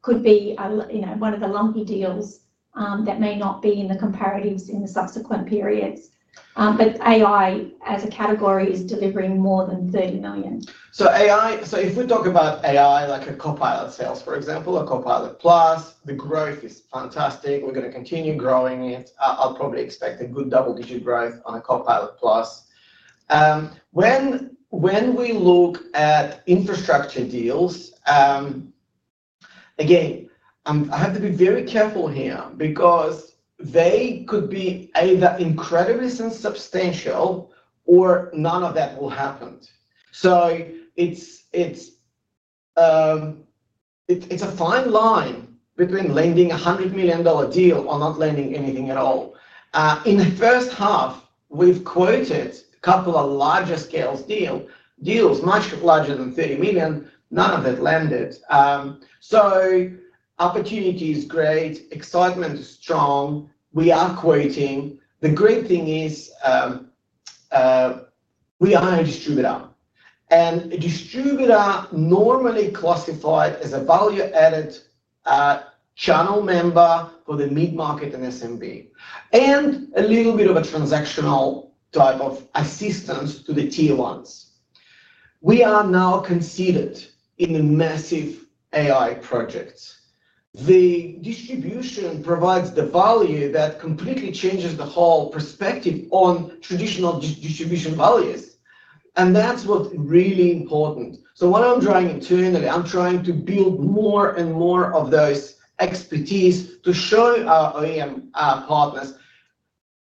could be one of the lumpy deals that may not be in the comparatives in the subsequent periods. AI as a category is delivering more than 30 million. If we talk about AI, like a Copilot Sales, for example, or Copilot+, the growth is fantastic. We're going to continue growing it. I'll probably expect a good double-digit growth on a Copilot+. When we look at infrastructure deals, again, I have to be very careful here because they could be either incredibly substantial or none of that will happen. It's a fine line between landing a 100 million dollar deal or not landing anything at all. In the first half, we've quoted a couple of larger-scale deals, much larger than 30 million. None of that landed. Opportunity is great. Excitement is strong. We are quoting. The great thing is we hire a distributor. A distributor is normally classified as a value-added channel member for the mid-market and SMB and a little bit of a transactional type of assistance to the Tier 1s. We are now considered in the massive AI projects. The distribution provides the value that completely changes the whole perspective on traditional distribution values. That's what's really important. What I'm driving internally, I'm trying to build more and more of those expertise to show our OEM partners.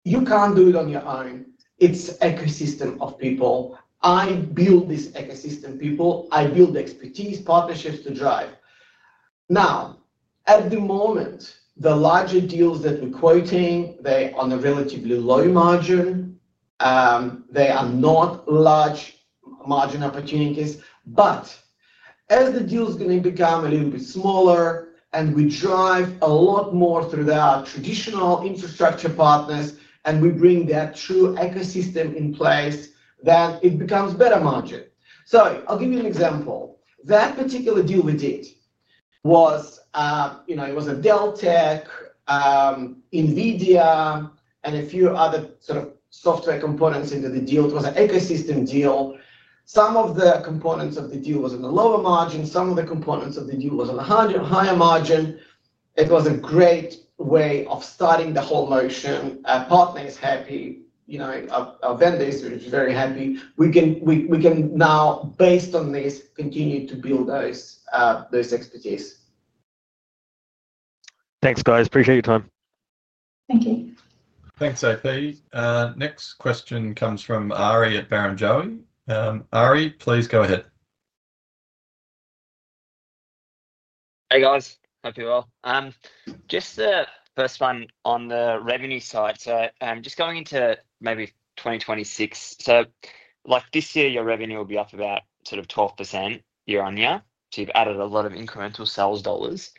You can't do it on your own. It's an ecosystem of people. I build this ecosystem, people. I build the expertise partnerships to drive. At the moment, the larger deals that we're quoting, they are on a relatively low margin. They are not large margin opportunities. As the deal is going to become a little bit smaller and we drive a lot more through our traditional infrastructure partners and we bring that true ecosystem in place, then it becomes better margin. I'll give you an example. That particular deal we did was, you know, it was a Dell Technologies, NVIDIA, and a few other sort of software components into the deal. It was an ecosystem deal. Some of the components of the deal were on a lower margin. Some of the components of the deal were on a higher margin. It was a great way of starting the whole motion. Our partner is happy. Our vendors are very happy. We can now, based on this, continue to build those expertise. Thanks, guys. Appreciate your time. Thank you. Thanks. *audio distortion* Next question comes from Ary at Barrenjoey. Ary, please go ahead. Hey, guys. Hope you're well. Just the first one on the revenue side. I'm just going into maybe 2026. This year, your revenue will be up about 12% year-on-year. You've added a lot of incremental sales dollars,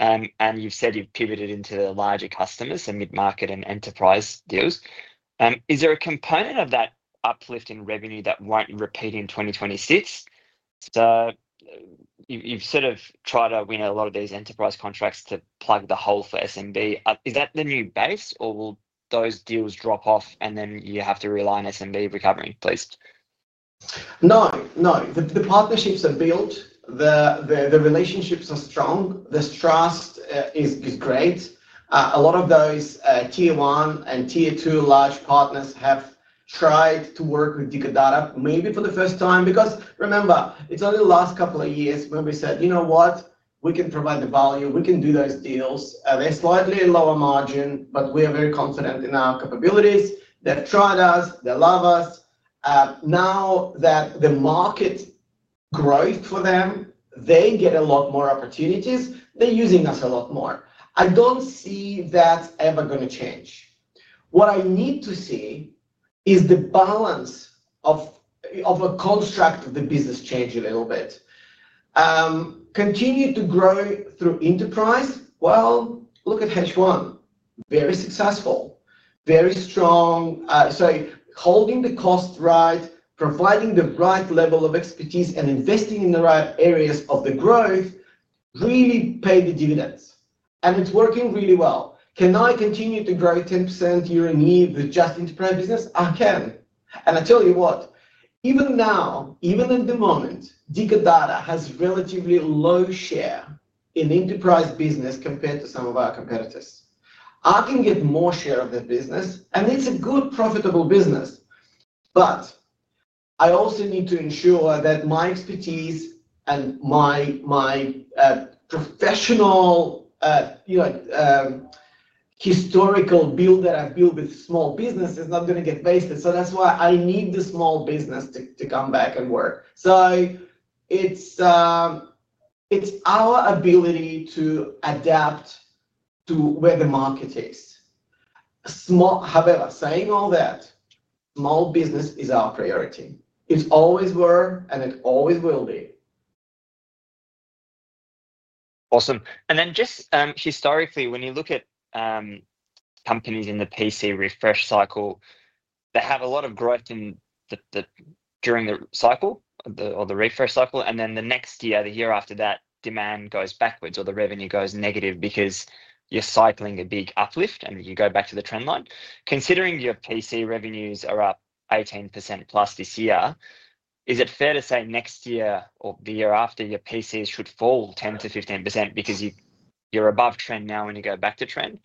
and you've said you've pivoted into the larger customers, the mid-market and enterprise deals. Is there a component of that uplift in revenue that won't repeat in 2026? You've tried to win a lot of these enterprise contracts to plug the hole for SMB. Is that the new base, or will those deals drop off and then you have to rely on SMB recovering, please? No, no. The partnerships are built. The relationships are strong. The trust is great. A lot of those Tier 1 and Tier 2 large partners have tried to work with Dicker Data maybe for the first time because remember, it's only the last couple of years when we said, "You know what? We can provide the value. We can do those deals. They're slightly at a lower margin, but we are very confident in our capabilities. They've tried us. They love us." Now that the market grows for them, they get a lot more opportunities. They're using us a lot more. I don't see that ever going to change. What I need to see is the balance of a construct of the business change a little bit. Continue to grow through enterprise. Look at H1. Very successful. Very strong. Holding the costs right, providing the right level of expertise, and investing in the right areas of the growth really paid the dividends. It's working really well. Can I continue to grow 10% year-on-year with just the enterprise business? I can. I tell you what, even now, even at the moment, Dicker Data has a relatively low share in the enterprise business compared to some of our competitors. I can get more share of the business, and it's a good, profitable business. I also need to ensure that my expertise and my professional historical build that I've built with small business is not going to get wasted. That's why I need the small business to come back and work. It's our ability to adapt to where the market is. However, saying all that, small business is our priority. It always was, and it always will be. Awesome. Historically, when you look at companies in the PC refresh cycle, they have a lot of growth during the cycle or the refresh cycle, and then the next year, the year after that, demand goes backwards or the revenue goes negative because you're cycling a big uplift and you go back to the trend line. Considering your PC revenues are up 18%+ this year, is it fair to say next year or the year after your PCs should fall 10%-15% because you're above trend now and you go back to trend?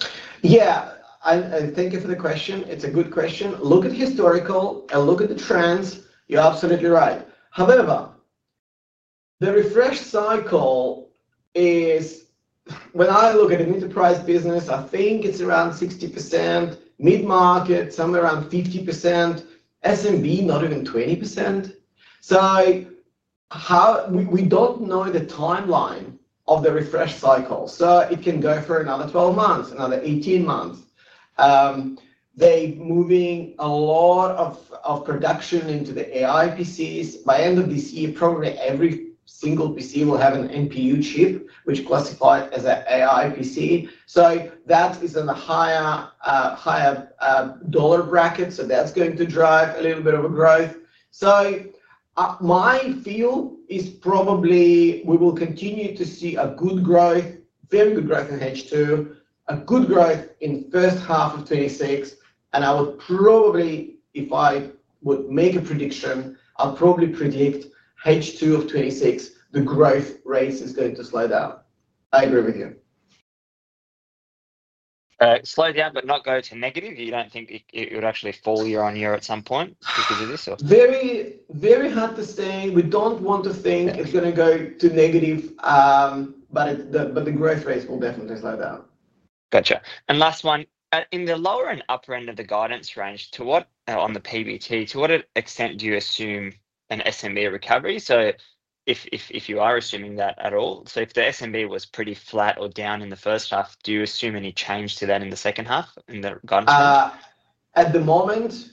Thank you for the question. It's a good question. Look at the historical and look at the trends. You're absolutely right. However, the refresh cycle is, when I look at an enterprise business, I think it's around 60% mid-market, somewhere around 50% SMB, not even 20%. We don't know the timeline of the refresh cycle. It can go for another 12 months, another 18 months. They're moving a lot of production into the AI PCs. By the end of this year, probably every single PC will have an NPU chip, which is classified as an AI PC. That is in a higher dollar bracket. That's going to drive a little bit of growth. My feel is probably we will continue to see a good growth, very good growth in H2, a good growth in the first half of 2026. If I would make a prediction, I'll probably predict H2 of 2026, the growth rate is going to slow down. I agree with you. Slow down, but not go to negative. You don't think it would actually fall year-on-year at some point if you do this? Very, very hard to say. We don't want to think it's going to go to negative, but the growth rate will definitely slow down. Gotcha. Last one, in the lower and upper end of the guidance range, to what on the operating profit before tax, to what extent do you assume an SMB recovery? If you are assuming that at all, if the SMB was pretty flat or down in the first half, do you assume any change to that in the second half in the guidance? At the moment,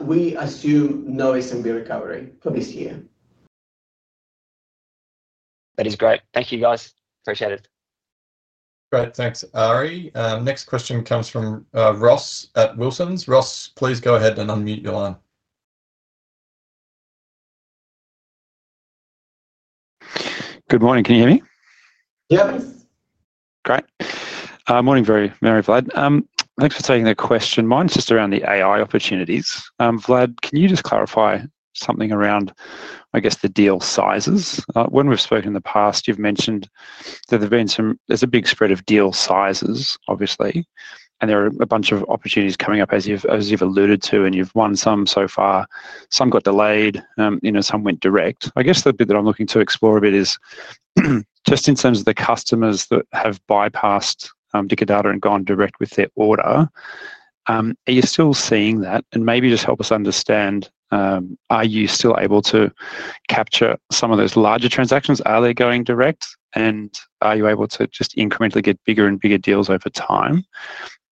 we assume no SMB recovery for this year. That is great. Thank you, guys. Appreciate it. Great. Thanks, Ary. Next question comes from Ross at Wilsons. Ross, please go ahead and unmute your line. Good morning. Can you hear me? Yes. Great. Morning, Mary, Vlad. Thanks for taking the question. Mine's just around the AI opportunities. Vlad, can you just clarify something around, I guess, the deal sizes? When we've spoken in the past, you've mentioned that there's a big spread of deal sizes, obviously, and there are a bunch of opportunities coming up, as you've alluded to, and you've won some so far. Some got delayed, some went direct. The bit that I'm looking to explore a bit is just in terms of the customers that have bypassed Dicker Data and gone direct with their order. Are you still seeing that? Maybe just help us understand, are you still able to capture some of those larger transactions? Are they going direct, and are you able to just incrementally get bigger and bigger deals over time?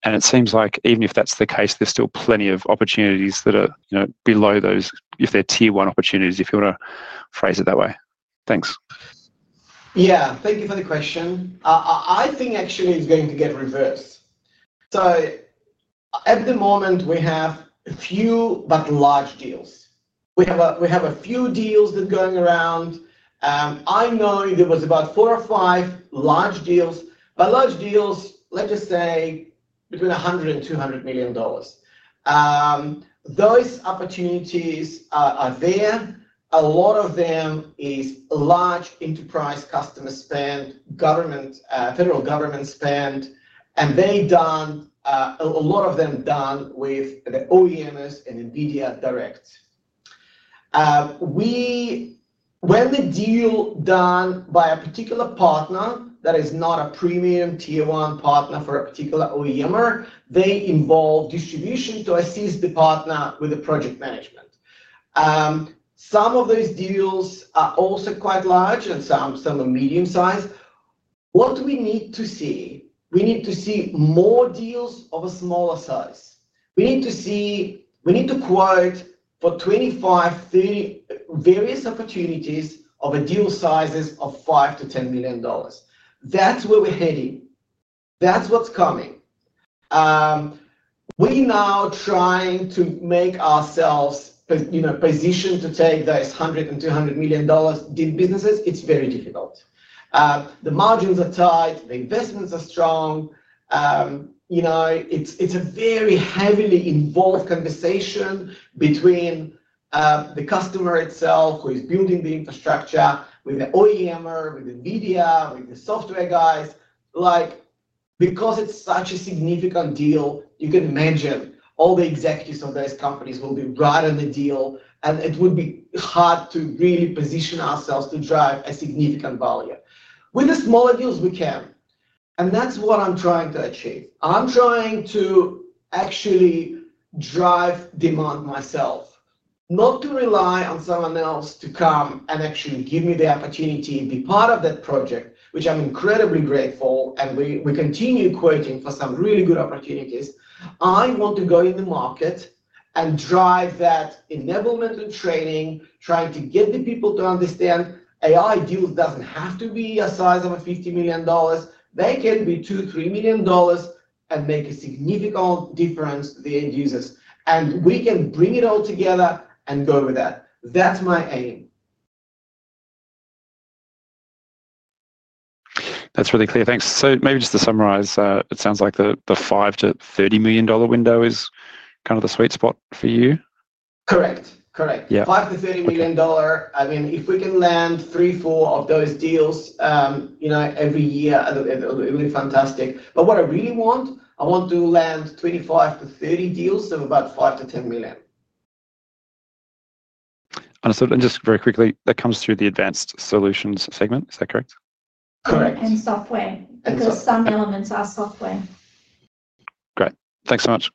It seems like even if that's the case, there's still plenty of opportunities that are below those, if they're Tier 1 opportunities, if you want to phrase it that way. Thanks. Thank you for the question. I think actually it's going to get reversed. At the moment, we have a few but large deals. We have a few deals that are going around. I know there were about four or five large deals. By large deals, let's just say between 100 million dollars and 200 million dollars. Those opportunities are there. A lot of them are large enterprise customer spend, government, federal government spend, and they're done, a lot of them done with the OEMs and NVIDIA direct. When the deal is done by a particular partner that is not a premium Tier 1 partner for a particular OEM, they involve distribution to assist the partner with the project management. Some of those deals are also quite large, and some are medium-sized. What we need to see, we need to see more deals of a smaller size. We need to see, we need to quote for 25, 30 various opportunities of deal sizes of 5 million-10 million dollars. That's where we're heading. That's what's coming. We're now trying to make ourselves positioned to take those 100 million and 200 million dollars businesses. It's very difficult. The margins are tight. The investments are strong. It's a very heavily involved conversation between the customer itself who is building the infrastructure with the OEM, with the NVIDIA, with the software guys. Because it's such a significant deal, you can imagine all the executives of those companies will be right on the deal, and it would be hard to really position ourselves to drive a significant value. With the smaller deals, we can. That's what I'm trying to achieve. I'm trying to actually drive demand myself, not to rely on someone else to come and actually give me the opportunity and be part of that project, which I'm incredibly grateful, and we continue quoting for some really good opportunities. I want to go in the market and drive that enablement and training, trying to get the people to understand AI deals don't have to be a size of 50 million dollars. They can be 2 million dollars or AUD 3 million and make a significant difference to the end users. We can bring it all together and go with that. That's my aim. That's really clear. Thanks. Maybe just to summarize, it sounds like the 5 million dollar-AUD30 million window is kind of the sweet spot for you. Correct. Correct. Yeah, 5 million-30 million dollar. I mean, if we can land three or four of those deals every year, it'll be fantastic. What I really want, I want to land 25-30 deals of about 5 million-10 million. Just very quickly, that comes through the Advanced Solutions segment. Is that correct? Correct. Softwind because some elements are softwind. Great, thanks so much.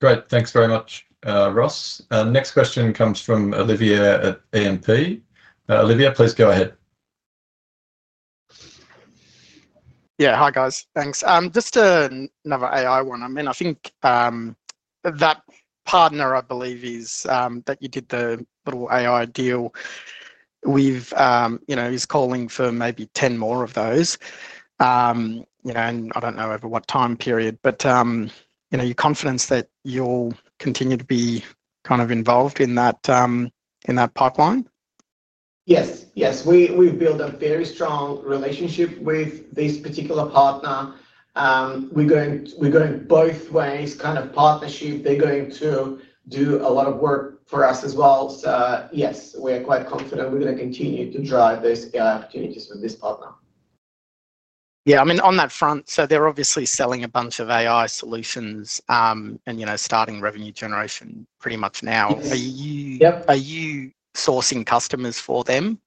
Great. Thanks very much, Ross. Next question comes from Olivia at AMP. Olivia, please go ahead. Hi, guys. Thanks. Just another AI one. I think that partner, I believe, that you did the little AI deal with is calling for maybe 10 more of those. I don't know over what time period, but your confidence that you'll continue to be kind of involved in that pipeline? Yes. Yes. We've built a very strong relationship with this particular partner. We're going both ways, kind of partnership. They're going to do a lot of work for us as well. Yes, we're quite confident we're going to continue to drive those AI opportunities with this partner. Yeah, I mean, on that front, they're obviously selling a bunch of AI solutions and starting revenue generation pretty much now. Are you sourcing customers for them?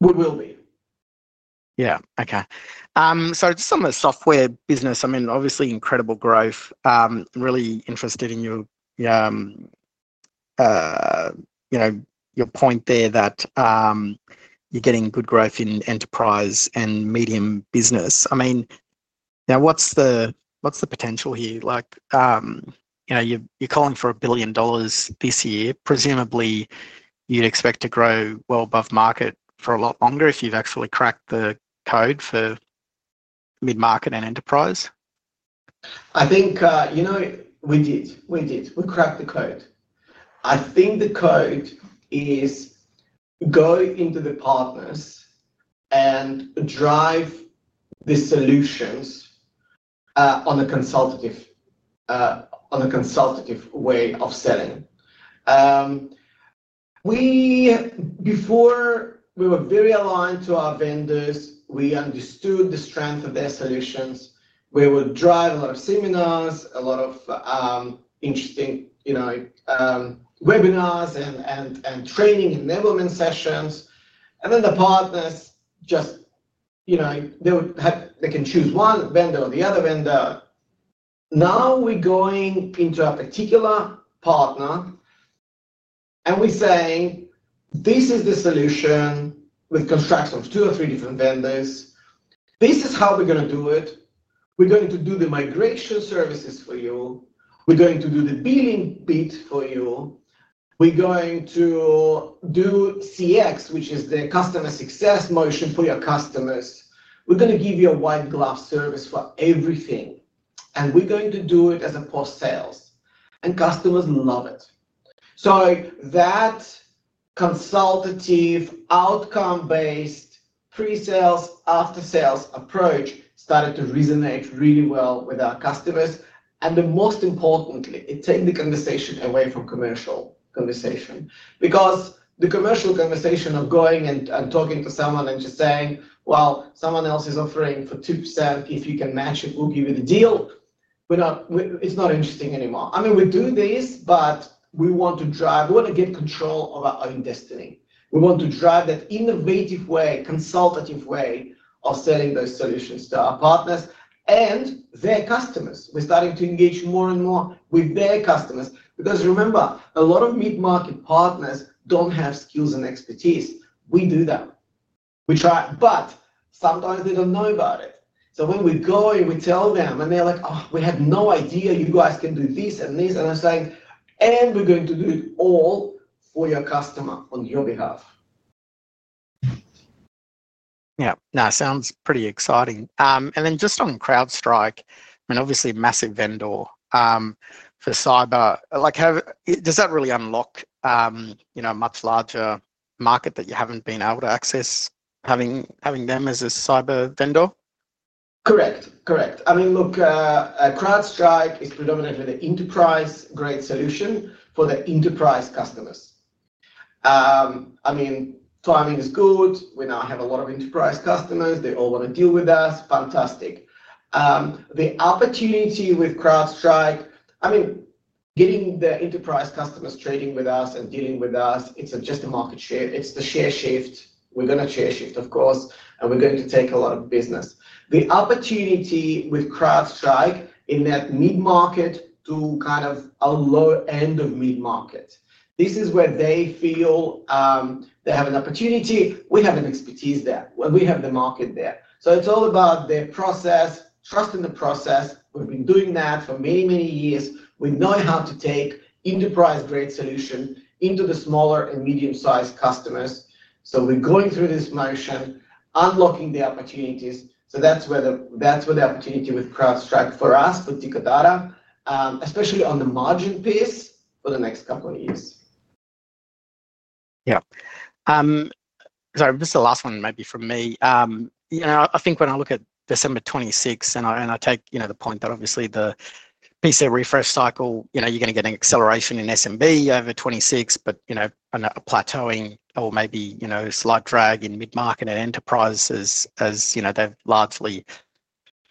We will be. Okay. Just on the software business, obviously, incredible growth. I'm really interested in your point there that you're getting good growth in enterprise and medium business. What's the potential here? You're calling for 1 billion dollars this year. Presumably you'd expect to grow well above market for a lot longer if you've actually cracked the code for mid-market and enterprise. I think we did. We cracked the code. I think the code is going into the partners and driving the solutions on a consultative way of selling. Before, we were very aligned to our vendors, we understood the strength of their solutions. We would drive a lot of seminars, a lot of interesting webinars and training enablement sessions. The partners just, you know, they would have, they can choose one vendor or the other vendor. Now we're going into a particular partner and we're saying, this is the solution with construction of two or three different vendors. This is how we're going to do it. We're going to do the migration services for you. We're going to do the billing bit for you. We're going to do CX, which is the customer success motion for your customers. We're going to give you a white glove service for everything. We're going to do it as a post-sales. Customers love it. That consultative outcome-based pre-sales, after-sales approach started to resonate really well with our customers. Most importantly, it's taking the conversation away from commercial conversation. Because the commercial conversation of going and talking to someone and just saying, well, someone else is offering for 2%. If you can match it, we'll give you the deal. It's not interesting anymore. I mean, we do this, but we want to drive, we want to get control of our own destiny. We want to drive that innovative way, consultative way of selling those solutions to our partners and their customers. We're starting to engage more and more with their customers. Remember, a lot of mid-market partners don't have skills and expertise. We do that. We try, but sometimes they don't know about it. When we go and we tell them, they're like, oh, we had no idea you guys can do this and this, and I'm saying, and we're going to do it all for your customer on your behalf. Yeah, that sounds pretty exciting. Just on CrowdStrike, I mean, obviously a massive vendor for cyber. Does that really unlock, you know, a much larger market that you haven't been able to access having them as a cyber vendor? Correct, correct. I mean, look, CrowdStrike is predominantly an enterprise-grade solution for the enterprise customers. Timing is good. We now have a lot of enterprise customers. They all want to deal with us. Fantastic. The opportunity with CrowdStrike, I mean, getting the enterprise customers trading with us and dealing with us, it's just a market share. It's the share shift. We're going to share shift, of course, and we're going to take a lot of business. The opportunity with CrowdStrike in that mid-market to kind of a low-end of mid-market, this is where they feel they have an opportunity. We have an expertise there. We have the market there. It's all about the process, trusting the process. We've been doing that for many, many years. We know how to take enterprise-grade solutions into the smaller and medium-sized customers. We're going through this motion, unlocking the opportunities. That's where the opportunity with CrowdStrike for us, for Dicker Data, especially on the margin piece for the next couple of years. Yeah. Just the last one maybe from me. I think when I look at December 2026, and I take the point that obviously the PC refresh cycle, you're going to get an acceleration in SMB over 2026, but a plateauing or maybe slight drag in mid-market and enterprises as they've largely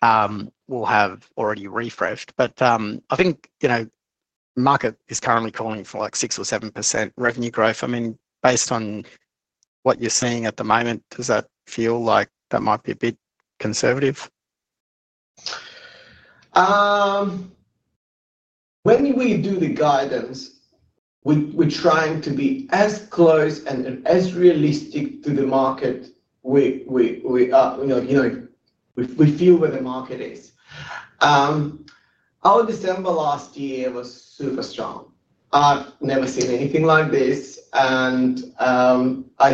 will have already refreshed. I think the market is currently calling for like 6% or 7% revenue growth. I mean, based on what you're seeing at the moment, does that feel like that might be a bit conservative? When we do the guidance, we're trying to be as close and as realistic to the market. We feel where the market is. Our December last year was super strong. I've never seen anything like this. I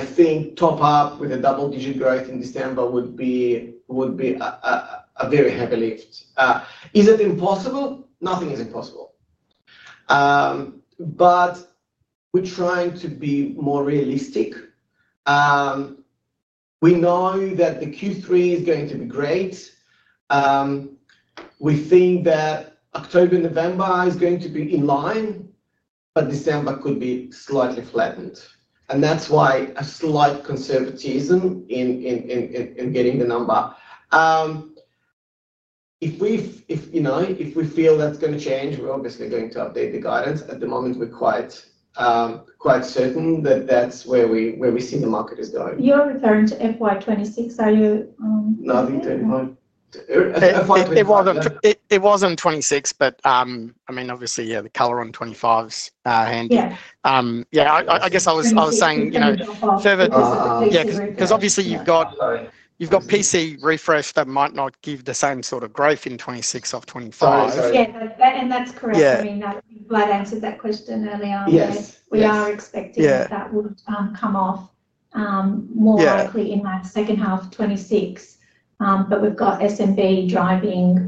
think top up with a double-digit growth in December would be a very heavy lift. Is it impossible? Nothing is impossible. We're trying to be more realistic. We know that the Q3 is going to be great. We think that October and November are going to be in line, but December could be slightly flattened. That's why a slight conservatism in getting the number. If we feel that's going to change, we're obviously going to update the guidance. At the moment, we're quite certain that that's where we see the market is going. You're referring to FY 2026, are you? No, the FY 2025. It wasn't 2026, but obviously, yeah, the color on 2025s. I guess I was saying further, yeah, because obviously you've got PC refresh that might not give the same sort of growth in 2026 or 2025. Yeah, that's correct. I mean, Vlad answered that question earlier. We are expecting that would come off more likely in that second half of 2026. We've got SMB driving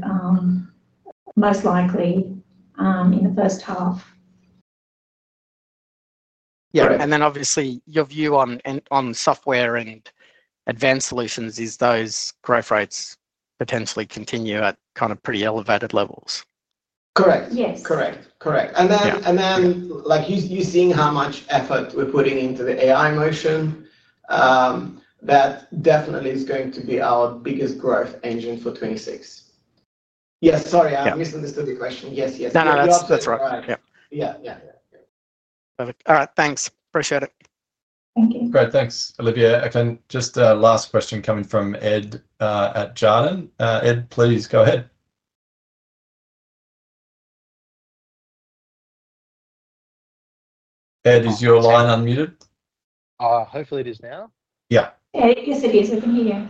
most likely in the first half. Yeah, obviously your view on software and Advanced Solutions is those growth rates potentially continue at kind of pretty elevated levels. Correct. Yes. Correct. Correct. You're seeing how much effort we're putting into the AI motion. That definitely is going to be our biggest growth engine for 2026. Sorry, I misunderstood the question. Yes, yes. No, that's right. Yeah, yeah. Perfect. All right, thanks. Appreciate it. Great, thanks, Olivia. Again, just a last question coming from Ed at Jarden. Ed, please go ahead. Ed, is your line unmuted? Hopefully, it is now. Yeah. Yes, it is. I can hear you.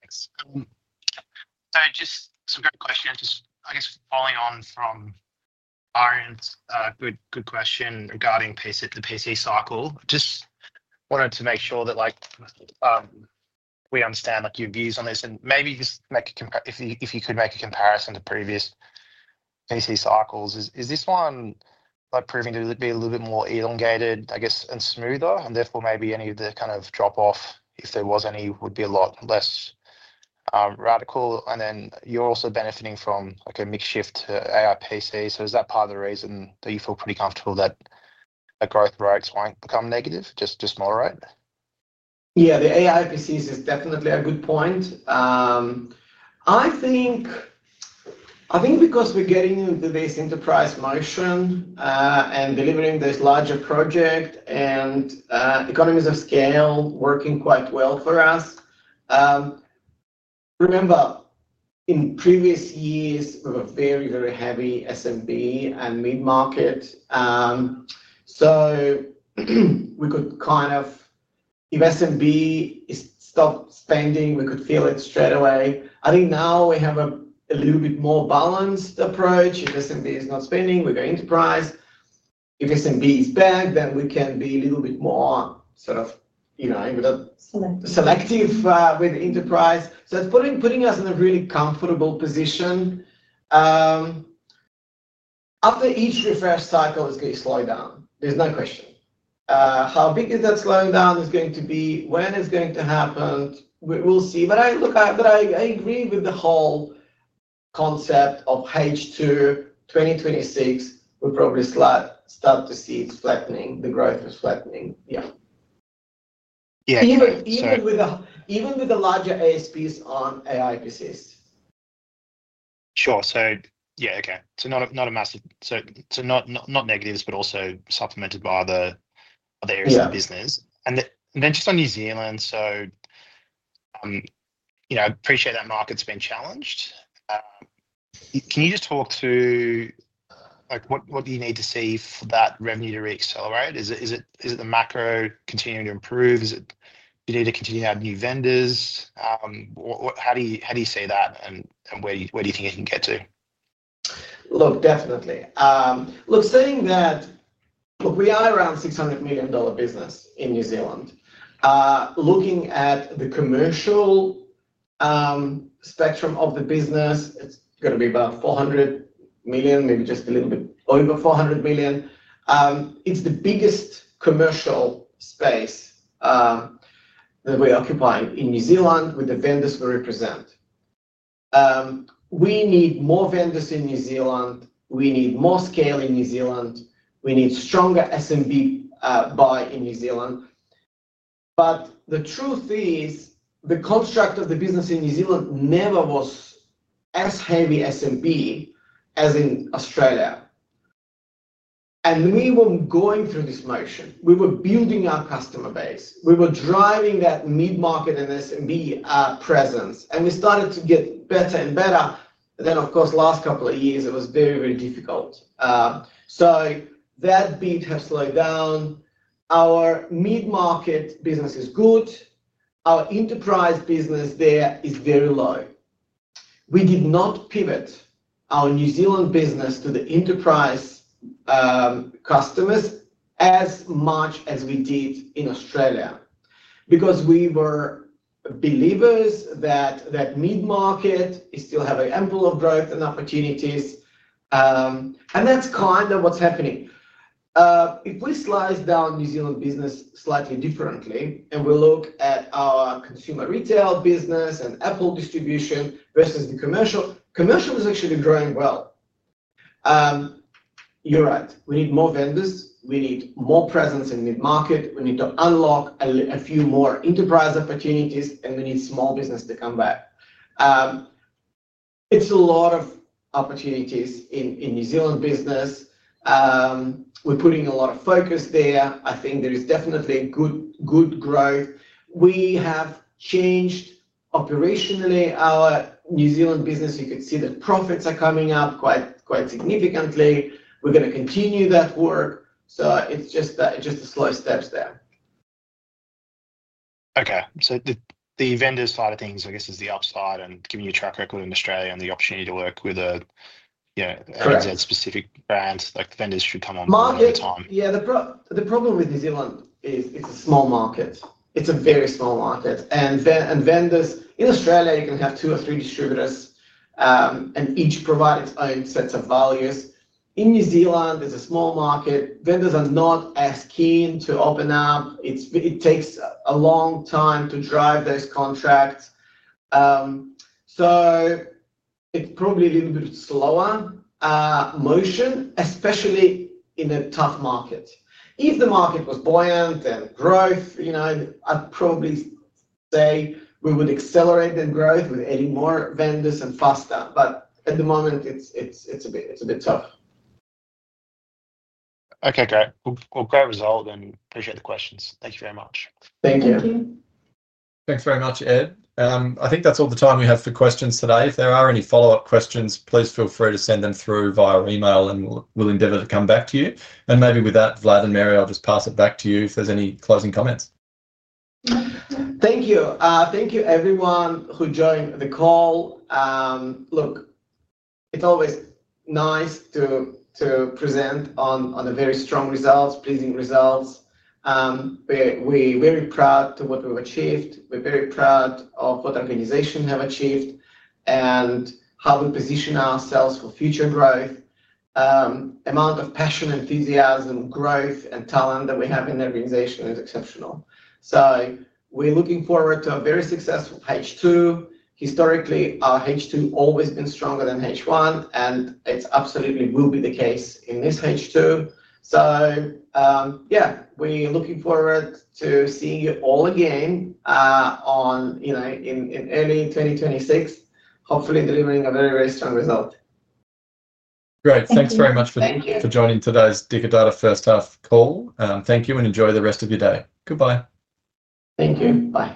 Thanks. Sorry, just a quick question. Following on from Barren's good question regarding the PC cycle, I just wanted to make sure that we understand your views on this and maybe, if you could, make a comparison to previous PC cycles. Is this one proving to be a little bit more elongated, I guess, and smoother, and therefore maybe any of the kind of drop-off, if there was any, would be a lot less radical? You're also benefiting from a mixed shift to AI PC. Is that part of the reason that you feel pretty comfortable that the growth rates won't become negative, just moderate? Yeah, the AI PCs is definitely a good point. I think because we're getting into this enterprise motion and delivering this larger project and economies of scale working quite well for us. Remember, in previous years, we were very, very heavy SMB and mid-market. We could kind of, if SMB stopped spending, we could feel it shed away. I think now we have a little bit more balanced approach. If SMB is not spending, we go enterprise. If SMB is bad, then we can be a little bit more sort of, you know, selective with enterprise. It's putting us in a really comfortable position. After each PC refresh cycle, it's going to slow down. There's no question. How big is that slowing down going to be, when it's going to happen, we'll see. I agree with the whole concept of H2 2026. We probably start to see it's flattening. The growth is flattening. Yeah. Even with the larger ASPs on AI PCs. Sure. Not a massive, so not negatives, but also supplemented by the areas of the business. Just on New Zealand, I appreciate that market's been challenged. Can you just talk to, like what do you need to see for that revenue to reaccelerate? Is it the macro continuing to improve? Do you need to continue to have new vendors? How do you see that and where do you think it can get to? Definitely. We are around 600 million dollar business in New Zealand. Looking at the commercial spectrum of the business, it's going to be about 400 million, maybe just a little bit over 400 million. It's the biggest commercial space that we occupy in New Zealand with the vendors we represent. We need more vendors in New Zealand. We need more scale in New Zealand. We need stronger SMB buy in New Zealand. The truth is, the construct of the business in New Zealand never was as heavy as in Australia. We were going through this motion. We were building our customer base. We were driving that mid-market and SMB presence. We started to get better and better. Of course, the last couple of years, it was very, very difficult. That beta slowed down. Our mid-market business is good. Our enterprise business there is very low. We did not pivot our New Zealand business to the enterprise customers as much as we did in Australia because we were believers that that mid-market still has an ample of growth and opportunities. That's kind of what's happening. If we slice down New Zealand business slightly differently and we look at our consumer retail business and Apple distribution versus the commercial, commercial is actually growing well. You're right. We need more vendors. We need more presence in mid-market. We need to unlock a few more enterprise opportunities. We need small business to come back. It's a lot of opportunities in New Zealand business. We're putting a lot of focus there. I think there is definitely good growth. We have changed operationally our New Zealand business. You could see the profits are coming up quite significantly. We're going to continue that work. It's just a slow steps there. Okay. The vendor side of things, I guess, is the upside and giving you a track record in Australia and the opportunity to work with a specific brand. The vendors should come on at the time. Yeah, the problem with New Zealand is it's a small market. It's a very small market. Vendors in Australia, you can have two or three distributors, and each provides its own sets of values. In New Zealand, it's a small market. Vendors are not as keen to open up. It takes a long time to drive those contracts. It's probably a little bit of a slower motion, especially in a tough market. If the market was buoyant and growth, I'd probably say we would accelerate that growth with any more vendors and faster. At the moment, it's a bit tough. Okay, great. Great result and appreciate the questions. Thank you very much. Thank you. Thank you. Thanks very much, Ed. I think that's all the time we have for questions today. If there are any follow-up questions, please feel free to send them through via email, and we'll endeavor to come back to you. With that, Vlad and Mary, I'll just pass it back to you if there's any closing comments. Thank you. Thank you, everyone who joined the call. Look, it's always nice to present on a very strong result, pleasing result. We're very proud of what we've achieved. We're very proud of what the organization has achieved and how we position ourselves for future growth. The amount of passion, enthusiasm, growth, and talent that we have in the organization is exceptional. We're looking forward to a very successful H2. Historically, our H2 has always been stronger than H1, and it absolutely will be the case in this H2. We're looking forward to seeing you all again in early 2026, hopefully delivering a very, very strong result. Great. Thanks very much for joining today's Dicker Data First Half Call. Thank you and enjoy the rest of your day. Goodbye. Thank you. Bye.